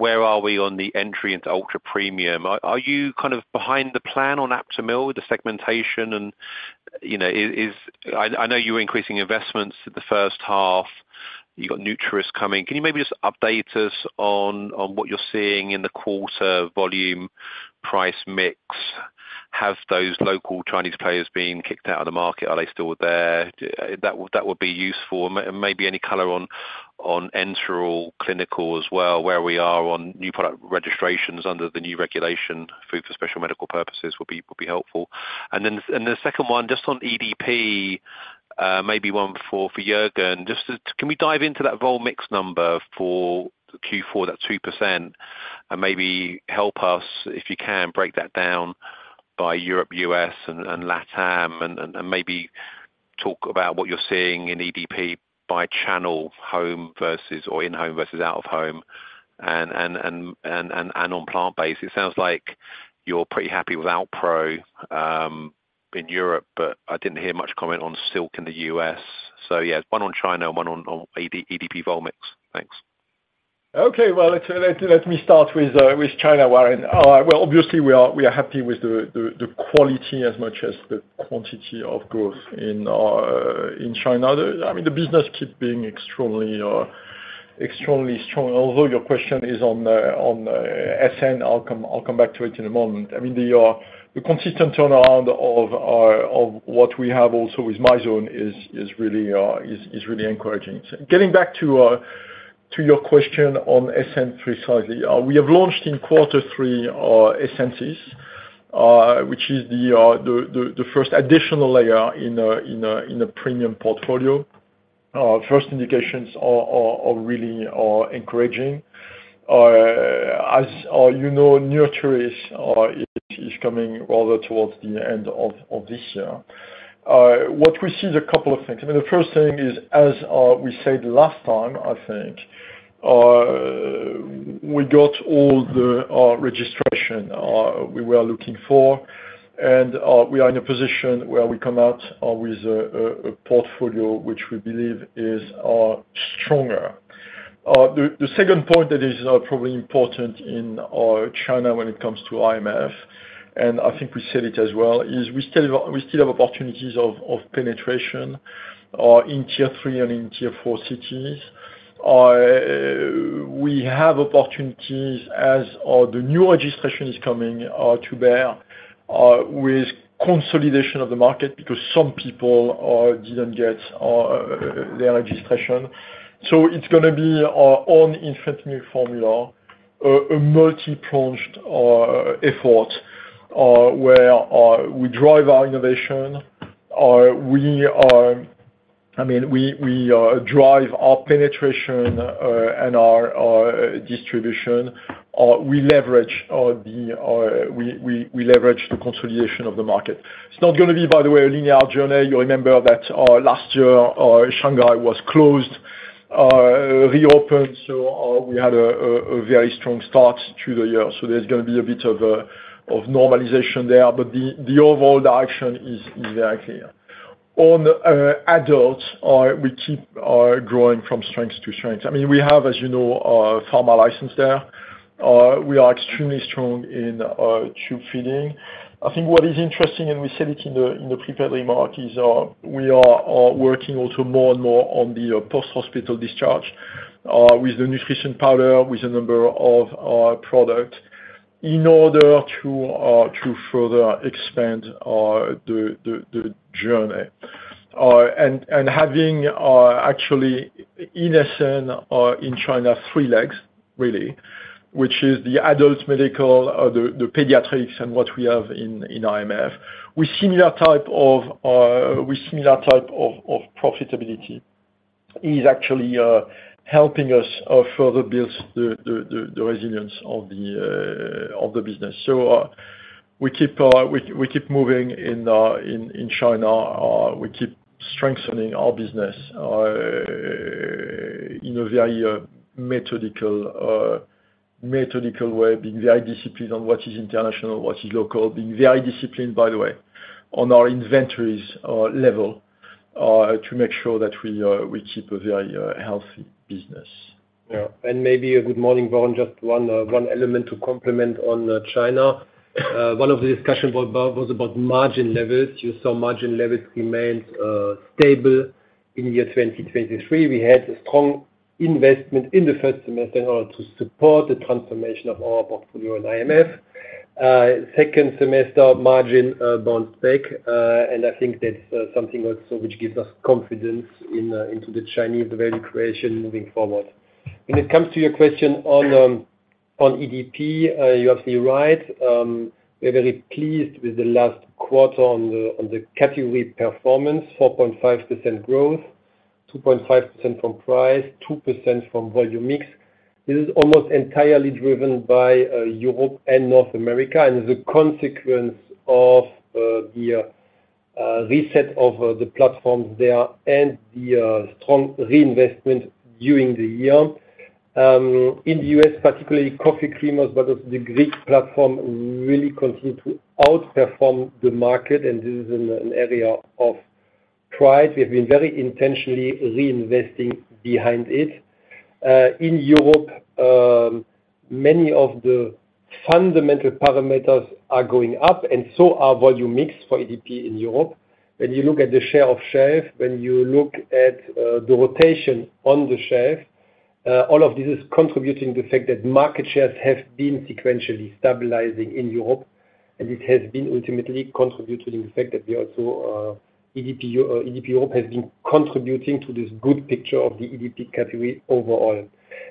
Where are we on the entry into ultra premium? Are you kind of behind the plan on Aptamil with the segmentation? And, you know, is. I know you were increasing investments the H1. You've got Nutricia coming. Can you maybe just update us on what you're seeing in the quarter volume, price mix? Have those local Chinese players been kicked out of the market? Are they still there? That would be useful, and maybe any color on enteral clinical as well, where we are on new product registrations under the new regulation, food for special medical purposes, would be helpful. And then the second one, just on EDP, maybe one for Juergen, just to can we dive into that volume mix number for Q4, that 2%? And maybe help us, if you can, break that down by Europe, U.S., and LATAM, and on plant-based. It sounds like you're pretty happy with Alpro in Europe, but I didn't hear much comment on Silk in the U.S. So yeah, one on China and one on EDP volume mix. Thanks. Okay, well, let me start with China, Warren. Well, obviously, we are happy with the quality as much as the quantity of growth in China. I mean, the business keep being extremely strong, although your question is on SN. I'll come back to it in a moment. I mean, the consistent turnaround of what we have also with Mizone is really encouraging. So getting back to your question on SN precisely, we have launched in Q3 Essensis, which is the first additional layer in a premium portfolio. First indications are really encouraging. As you know, Nutrilon is coming rather towards the end of this year. What we see is a couple of things. I mean, the first thing is, as we said last time, I think, we got all the registration we were looking for, and we are in a position where we come out with a portfolio which we believe is stronger. The second point that is probably important in China when it comes to IMF, and I think we said it as well, is we still have opportunities of penetration in tier three and in tier four cities. We have opportunities as the new registration is coming to bear with consolidation of the market, because some people didn't get their registration. So it's gonna be on infant milk formula, a multi-pronged effort where we drive our innovation, I mean, we drive our penetration and our distribution, we leverage the consolidation of the market. It's not gonna be, by the way, a linear journey. You remember that last year Shanghai was closed, reopened, so we had a very strong start to the year. So there's gonna be a bit of normalization there, but the overall direction is very clear. On adults, we keep growing from strength to strength. I mean, we have, as you know, a pharma license there. We are extremely strong in tube feeding. I think what is interesting, and we said it in the prepared remarks, is we are working also more and more on the post-hospital discharge with the nutrition powder, with a number of products, in order to further expand the journey. And having actually in SN in China three legs really, which is the adult medical, the pediatrics and what we have in IMF. We have a similar type of profitability is actually helping us further build the resilience of the business. So, we keep moving in China. We keep strengthening our business, in a very, methodical, methodical way, being very disciplined on what is international, what is local. Being very disciplined, by the way, on our inventories, level, to make sure that we, we keep a very, healthy business. Yeah, and maybe a good morning, Warren, just one, one element to comment on, China. One of the discussions about margin levels. You saw margin levels remained stable in the year 2023. We had a strong investment in the first semester in order to support the transformation of our portfolio in IMF. Second semester margin bounced back, and I think that's something also which gives us confidence into the Chinese value creation moving forward. When it comes to your question on EDP, you're absolutely right. We're very pleased with the last quarter on the category performance, 4.5% growth, 2.5% from price, 2% from volume mix. This is almost entirely driven by Europe and North America, and the consequence of the reset of the platforms there and the strong reinvestment during the year. In the U.S., particularly coffee creamers, but the Greek platform really continued to outperform the market, and this is an area of pride. We have been very intentionally reinvesting behind it. In Europe, many of the fundamental parameters are going up, and so are volume mix for EDP in Europe. When you look at the share of shelf, when you look at the rotation on the shelf, all of this is contributing to the fact that market shares have been sequentially stabilizing in Europe, and it has been ultimately contributing to the fact that we also EDP Europe has been contributing to this good picture of the EDP category overall.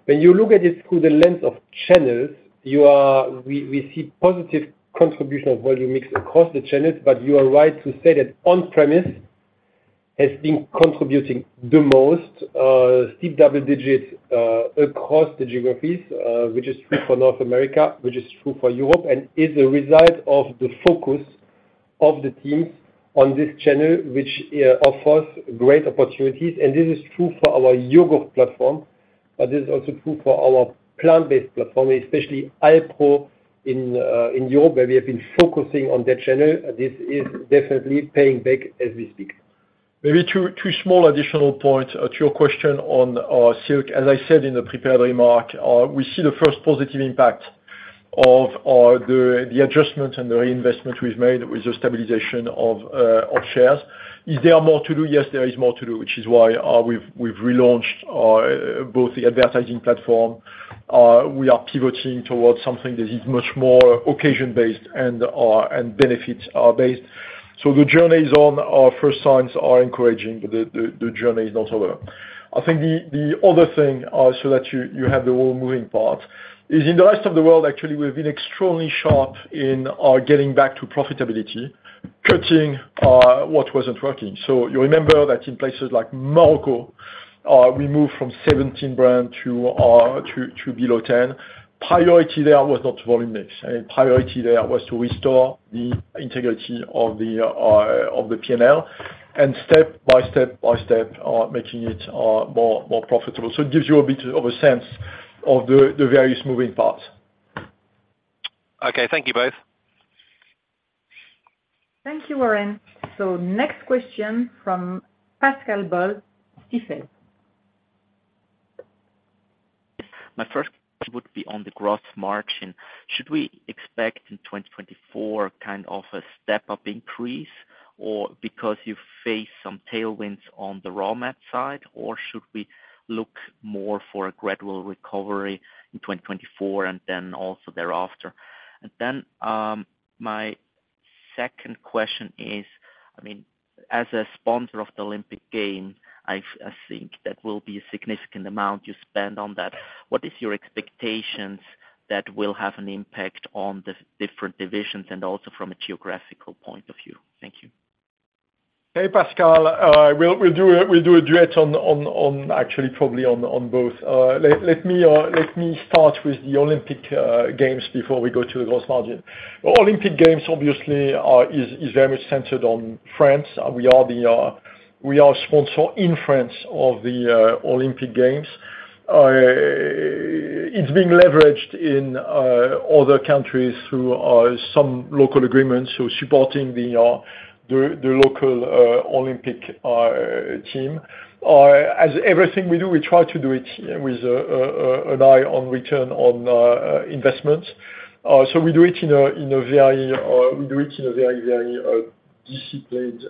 When you look at it through the lens of channels, we see positive contribution of volume mix across the channels, but you are right to say that on-premise has been contributing the most, steep double digits across the geographies, which is true for North America, which is true for Europe, and is a result of the focus of the teams on this channel, which offers great opportunities. This is true for our yogurt platform, but this is also true for our plant-based platform, especially HiPRO in Europe, where we have been focusing on that channel. This is definitely paying back as we speak. Maybe two small additional points to your question on Silk. As I said in the prepared remark, we see the first positive impact of the adjustment and the reinvestment we've made with the stabilization of shares. Is there more to do? Yes, there is more to do, which is why we've relaunched both the advertising platform. We are pivoting towards something that is much more occasion-based and benefits based. So the journey is on. Our first signs are encouraging, the journey is not over. I think the other thing, so that you have the whole moving part, is in the rest of the world, actually, we've been extremely sharp in getting back to profitability, cutting what wasn't working. So you remember that in places like Morocco, we moved from 17 brands to below 10. Priority there was not volume, priority there was to restore the integrity of the P&L, and step by step, making it more profitable. So it gives you a bit of a sense of the various moving parts. Okay, thank you both. Thank you, Warren. Next question from Pascal Boll, Stifel. My first would be on the gross margin. Should we expect in 2024 kind of a step-up increase, or because you face some tailwinds on the raw mats side, or should we look more for a gradual recovery in 2024 and then also thereafter? And then, my second question is, I mean, as a sponsor of the Olympic Games, I, I think that will be a significant amount you spend on that. What is your expectations that will have an impact on the different divisions and also from a geographical point of view? Thank you. Hey, Pascal, we'll do a duet on actually probably on both. Let me start with the Olympic Games before we go to the gross margin. Olympic Games obviously is very much centered on France. We are the sponsor in France of the Olympic Games. It's being leveraged in other countries through some local agreements, so supporting the local Olympic team. As everything we do, we try to do it with an eye on return on investments. So we do it in a very disciplined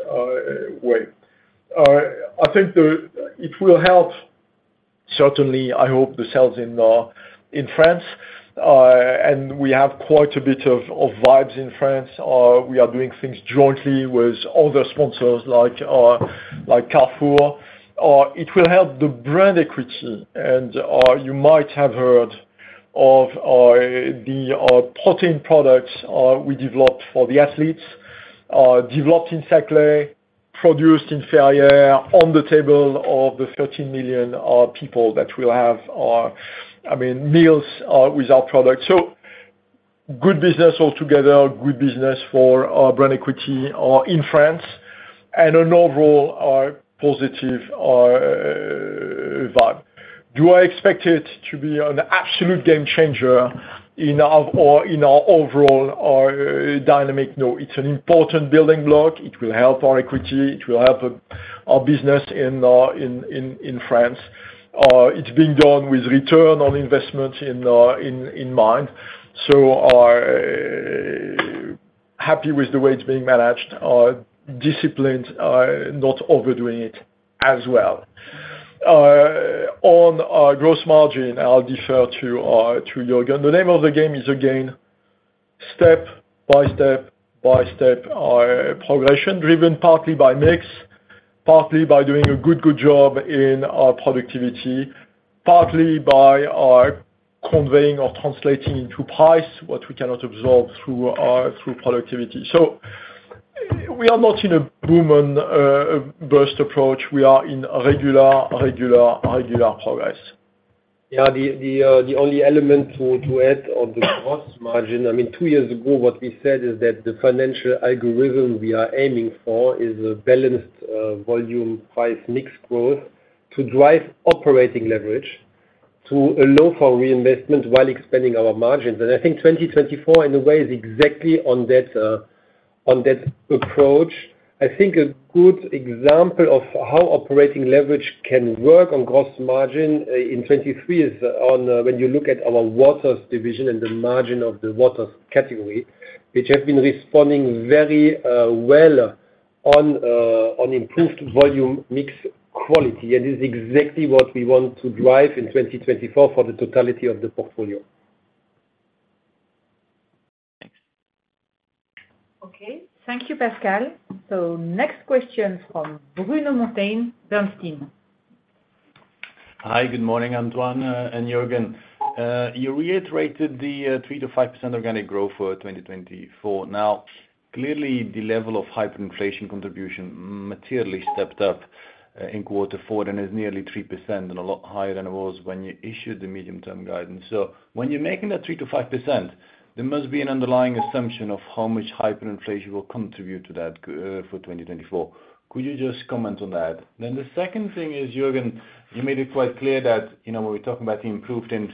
way. I think it will help, certainly, I hope, the sales in France, and we have quite a bit of vibes in France. We are doing things jointly with other sponsors like Carrefour. It will help the brand equity and you might have heard of the protein products we developed for the athletes... developed in Saclay, produced in France, on the table of the 13 million people that will have, I mean, meals with our products. So good business altogether, good business for our brand equity in France, and an overall positive vibe. Do I expect it to be an absolute game changer in our, or in our overall dynamic? No. It's an important building block. It will help our equity, it will help our business in France. It's being done with return on investment in mind. So we're happy with the way it's being managed, disciplined, not overdoing it as well. On gross margin, I'll defer to Juergen. The name of the game is, again, step by step by step progression, driven partly by mix, partly by doing a good, good job in productivity, partly by conveying or translating into price what we cannot absorb through productivity. So we are not in a boom and bust approach. We are in a regular, regular, regular progress. Yeah, the only element to add on the gross margin, I mean, two years ago, what we said is that the financial algorithm we are aiming for is a balanced volume price mix growth to drive operating leverage to allow for reinvestment while expanding our margins. And I think 2024 in a way is exactly on that approach. I think a good example of how operating leverage can work on gross margin in 2023 is when you look at our waters division and the margin of the waters category, which has been responding very well on improved volume mix quality, and is exactly what we want to drive in 2024 for the totality of the portfolio. Okay. Thank you, Pascal. So next question from Bruno Monteyne, Bernstein. Hi, good morning, Antoine and Juergen. You reiterated the 3%-5% organic growth for 2024. Now, clearly, the level of hyperinflation contribution materially stepped up in quarter four, and is nearly 3% and a lot higher than it was when you issued the medium-term guidance. So when you're making that 3%-5%, there must be an underlying assumption of how much hyperinflation will contribute to that for 2024. Could you just comment on that? Then the second thing is, Juergen, you made it quite clear that, you know, when we're talking about the improved end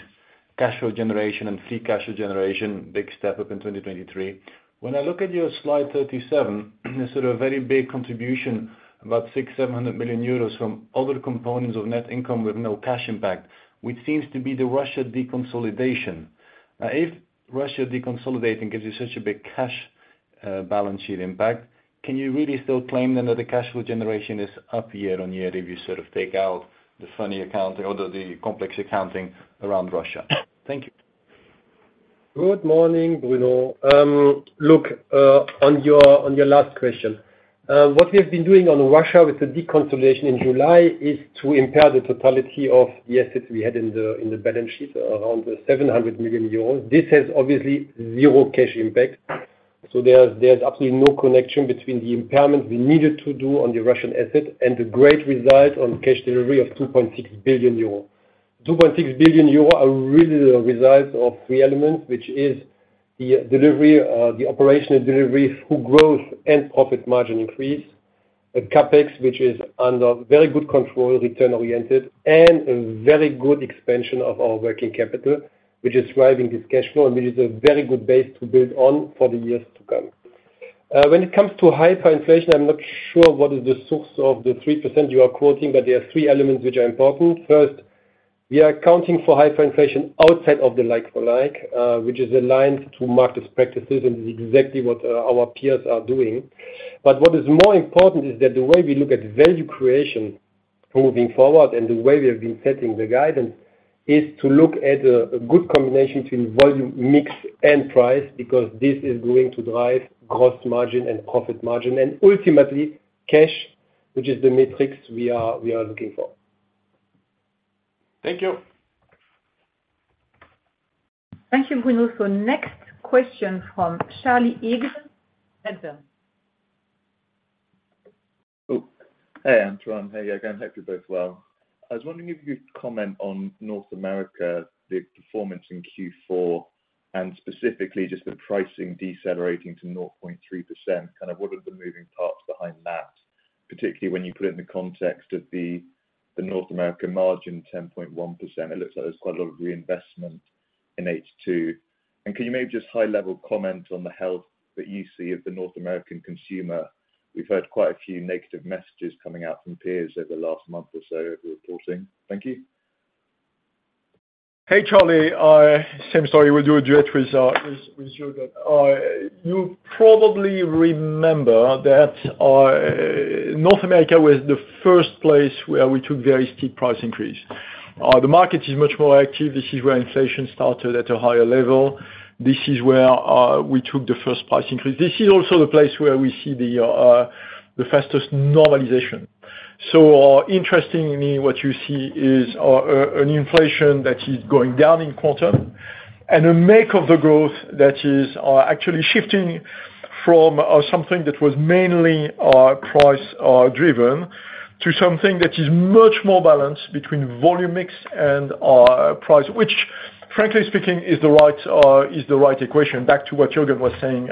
cash flow generation and free cash flow generation, big step up in 2023. When I look at your slide 37, there's sort of a very big contribution, about 600 million-700 million euros from other components of net income with no cash impact, which seems to be the Russia deconsolidation. Now, if Russia deconsolidating gives you such a big cash balance sheet impact, can you really still claim that the cash flow generation is up year-on-year, if you sort of take out the funny accounting, although the complex accounting around Russia? Thank you. Good morning, Bruno. Look, on your last question. What we have been doing on Russia with the deconsolidation in July is to impair the totality of the assets we had in the balance sheet, around 700 million euros. This has obviously zero cash impact. So there's absolutely no connection between the impairment we needed to do on the Russian asset and the great result on cash delivery of 2.6 billion euro. 2.6 billion euro are really the results of three elements, which is the delivery, the operational delivery through growth and profit margin increase, a CapEx, which is under very good control, return oriented, and a very good expansion of our working capital, which is driving this cash flow, and which is a very good base to build on for the years to come. When it comes to hyperinflation, I'm not sure what is the source of the 3% you are quoting, but there are three elements which are important. First, we are accounting for hyperinflation outside of the like-for-like, which is aligned to market practices and is exactly what our peers are doing. But what is more important is that the way we look at value creation moving forward and the way we have been setting the guidance, is to look at a good combination between volume, mix, and price, because this is going to drive gross margin and profit margin, and ultimately cash, which is the metrics we are, we are looking for. Thank you. Thank you, Bruno. So next question from Charlie Egan, Enders. Oh, hey, Antoine. Hey, Juergen, hope you're both well. I was wondering if you could comment on North America, the performance in Q4, and specifically just the pricing decelerating to 0.3%. Kind of what are the moving parts behind that, particularly when you put it in the context of the, the North American margin, 10.1%. It looks like there's quite a lot of reinvestment in H2. And can you maybe just high level comment on the health that you see of the North American consumer? We've heard quite a few negative messages coming out from peers over the last month or so of reporting. Thank you. Hey, Charlie. Same story, we'll do a duet with, with, with Juergen. You probably remember that, North America was the first place where we took very steep price increase. The market is much more active. This is where inflation started at a higher level. This is where, we took the first price increase. This is also the place where we see the, the fastest normalization. So, interestingly, what you see is, an inflation that is going down in quantum-... and the makeup of the growth that is actually shifting from something that was mainly price driven to something that is much more balanced between volume mix and price, which frankly speaking is the right equation, back to what Juergen was saying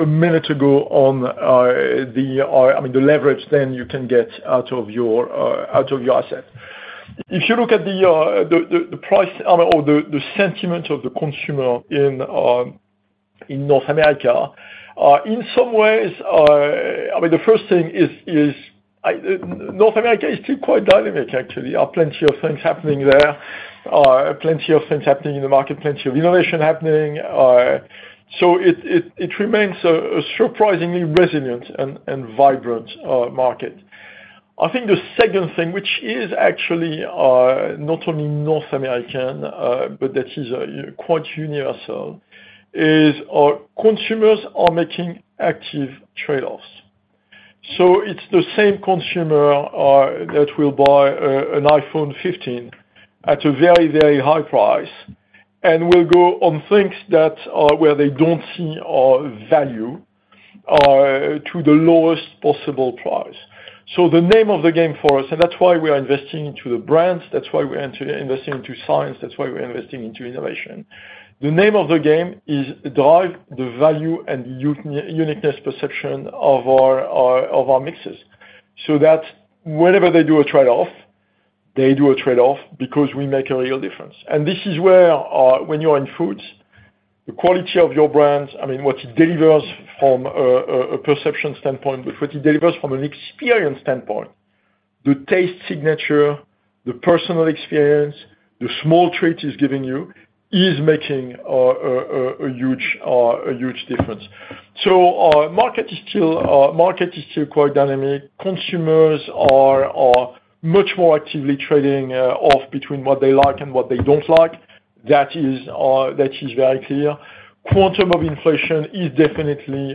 a minute ago on the I mean the leverage then you can get out of your out of your asset. If you look at the price or the sentiment of the consumer in North America in some ways I mean the first thing is North America is still quite dynamic actually. There are plenty of things happening there plenty of things happening in the market plenty of innovation happening. So it remains a surprisingly resilient and vibrant market. I think the second thing, which is actually not only North American but that is quite universal, is our consumers are making active trade-offs. So it's the same consumer that will buy an iPhone 15 at a very, very high price, and will go on things that where they don't see value to the lowest possible price. So the name of the game for us, and that's why we are investing into the brands, that's why we're investing into science, that's why we're investing into innovation. The name of the game is drive the value and uniqueness perception of our mixes, so that whenever they do a trade-off, they do a trade-off because we make a real difference. This is where, when you are in foods, the quality of your brands, I mean, what it delivers from a perception standpoint, but what it delivers from an experience standpoint, the taste signature, the personal experience, the small treat it's giving you, is making a huge difference. So our market is still quite dynamic. Consumers are much more actively trading off between what they like and what they don't like. That is very clear. Quantum of inflation is definitely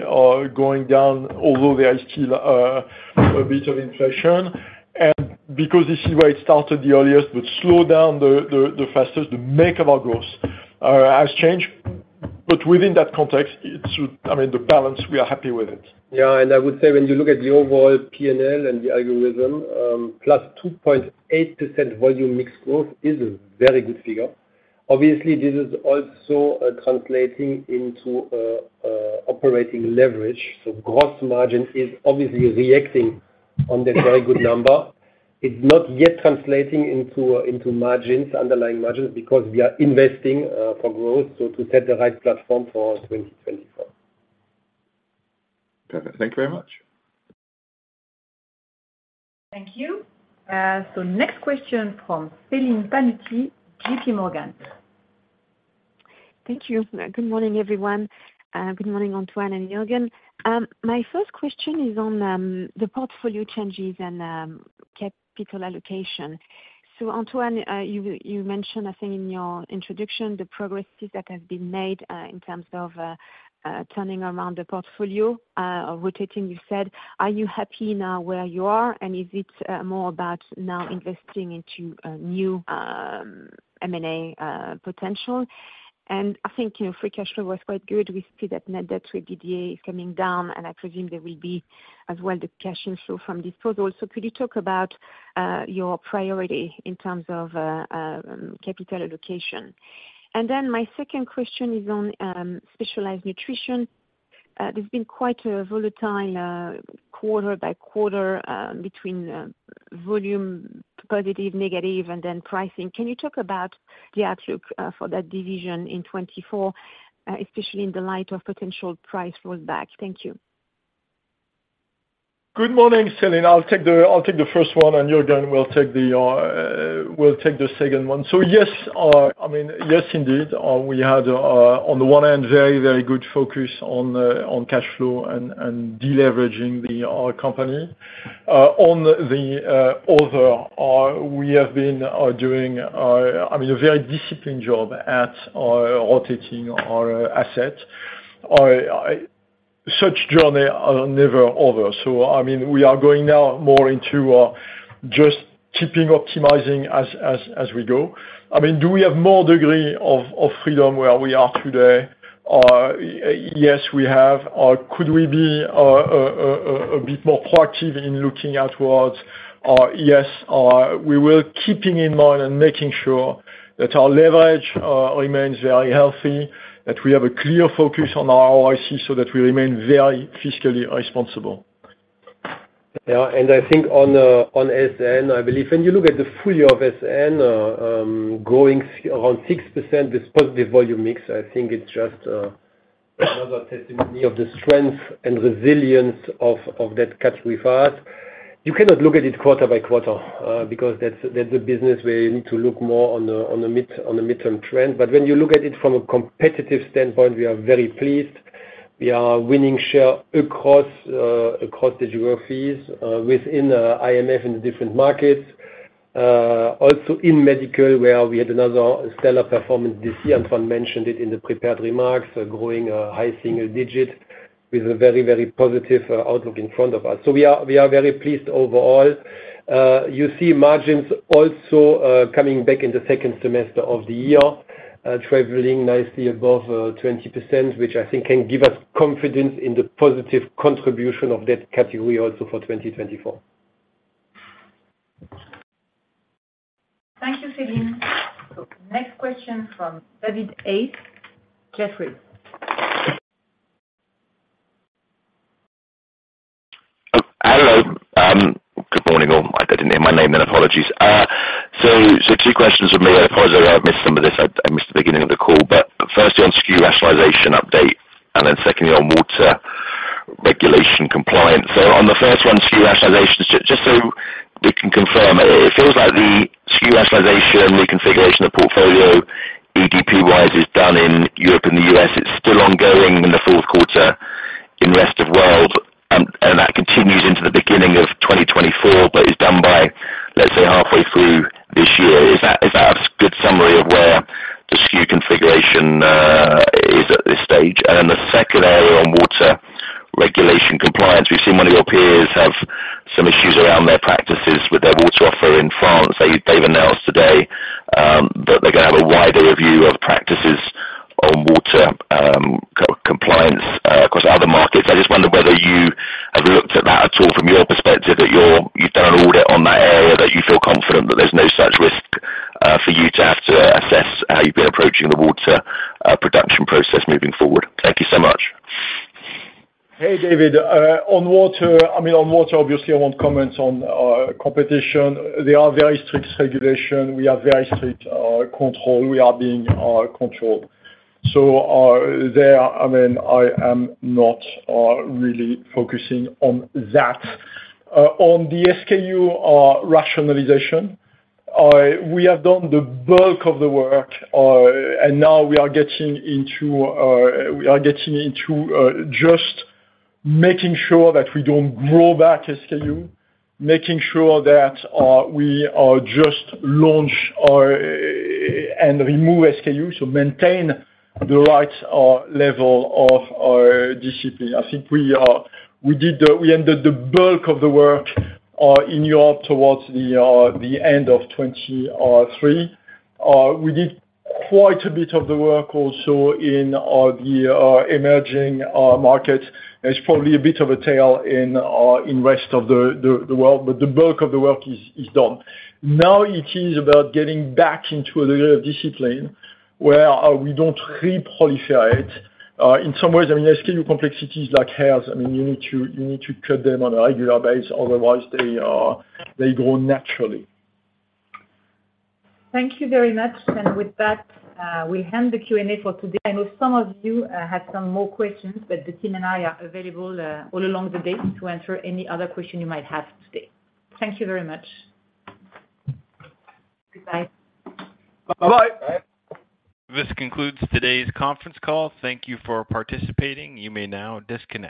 going down, although there is still a bit of inflation. And because this is where it started the earliest, but slowed down the fastest, the makeup of our growth has changed. But within that context, it's, I mean, the balance, we are happy with it. Yeah, and I would say when you look at the overall P&L and the algorithm, +2.8% volume mix growth is a very good figure. Obviously, this is also translating into a operating leverage. So gross margin is obviously reacting on that very good number. It's not yet translating into margins, underlying margins, because we are investing for growth, so to set the right platform for 2024. Perfect. Thank you very much. Thank you. So next question from Céline Pannuti, JPMorgan. Thank you. Good morning, everyone, and good morning, Antoine and Juergen. My first question is on the portfolio changes and capital allocation. So Antoine, you mentioned, I think in your introduction, the progresses that have been made in terms of turning around the portfolio or rotating, you said. Are you happy now where you are? And is it more about now investing into new M&A potential? And I think, you know, free cash flow was quite good. We see that net debt to EBITDA is coming down, and I presume there will be as well the cash inflow from this disposal. Could you talk about your priority in terms of capital allocation? And then my second question is on specialized nutrition. There's been quite a volatile quarter-by-quarter between volume, positive, negative, and then pricing. Can you talk about the outlook for that division in 2024, especially in the light of potential price falls back? Thank you. Good morning, Céline. I'll take the first one, and Juergen will take the second one. So yes, I mean, yes, indeed, we had, on the one hand, very, very good focus on cash flow and deleveraging our company. On the other, we have been doing, I mean, a very disciplined job at rotating our assets. Such journey are never over, so I mean, we are going now more into just keeping optimizing as we go. I mean, do we have more degree of freedom where we are today? Yes, we have. Could we be a bit more proactive in looking outwards? Yes, we will, keeping in mind and making sure that our leverage remains very healthy, that we have a clear focus on our IC so that we remain very fiscally responsible. Yeah, and I think on SN, I believe, when you look at the full year of SN growing around 6% with positive volume mix, I think it's just another testimony of the strength and resilience of that category for us. You cannot look at it quarter by quarter because that's a business where you need to look more on the midterm trend. But when you look at it from a competitive standpoint, we are very pleased. We are winning share across the geographies within IMF in the different markets. Also in medical, where we had another stellar performance this year, Antoine mentioned it in the prepared remarks, growing a high single digit. ... With a very, very positive outlook in front of us. So we are, we are very pleased overall. You see margins also coming back in the second semester of the year, traveling nicely above 20%, which I think can give us confidence in the positive contribution of that category also for 2024. Thank you, Céline. Next question from David Hayes, Jefferies. Hello, good morning, all. I didn't hear my name, then apologies. So two questions from me. I apologize if I missed some of this. I missed the beginning of the call, but firstly, on SKU rationalization update, and then secondly, on water regulation compliance. So on the first one, SKU rationalization, just so we can confirm, it feels like the SKU rationalization, reconfiguration of portfolio, EDP-wise, is done in Europe and the US. It's still ongoing in the Q4 in the rest of world, and that continues into the beginning of 2024, but is done by, let's say, halfway through this year. Is that a good summary of where the SKU configuration is at this stage? And then the second area on water regulation compliance. We've seen one of your peers have some issues around their practices with their water offering in France. They've announced today that they're going to have a wide review of practices on water compliance across other markets. I just wonder whether you have looked at that at all from your perspective, that you've done an audit on that area, that you feel confident that there's no such risk for you to have to assess how you've been approaching the water production process moving forward. Thank you so much. Hey, David. On water, I mean, on water, obviously, I won't comment on competition. There are very strict regulation. We have very strict control. We are being controlled. So, there, I mean, I am not really focusing on that. On the SKU rationalization, we have done the bulk of the work, and now we are getting into, we are getting into, just making sure that we don't grow back SKU, making sure that, we, just launch or... and remove SKU, so maintain the right level of discipline. I think we, we did the-- we ended the bulk of the work, in Europe towards the, the end of 2023. We did quite a bit of the work also in, the, emerging markets. There's probably a bit of a tail in rest of the world, but the bulk of the work is done. Now, it is about getting back into a little discipline where we don't reproliferate it. In some ways, I mean, SKU complexities like hairs. I mean, you need to cut them on a regular basis, otherwise they grow naturally. Thank you very much. With that, we'll end the Q&A for today. I know some of you have some more questions, but the team and I are available all along the day to answer any other question you might have today. Thank you very much. Goodbye. Bye-bye. This concludes today's conference call. Thank you for participating. You may now disconnect.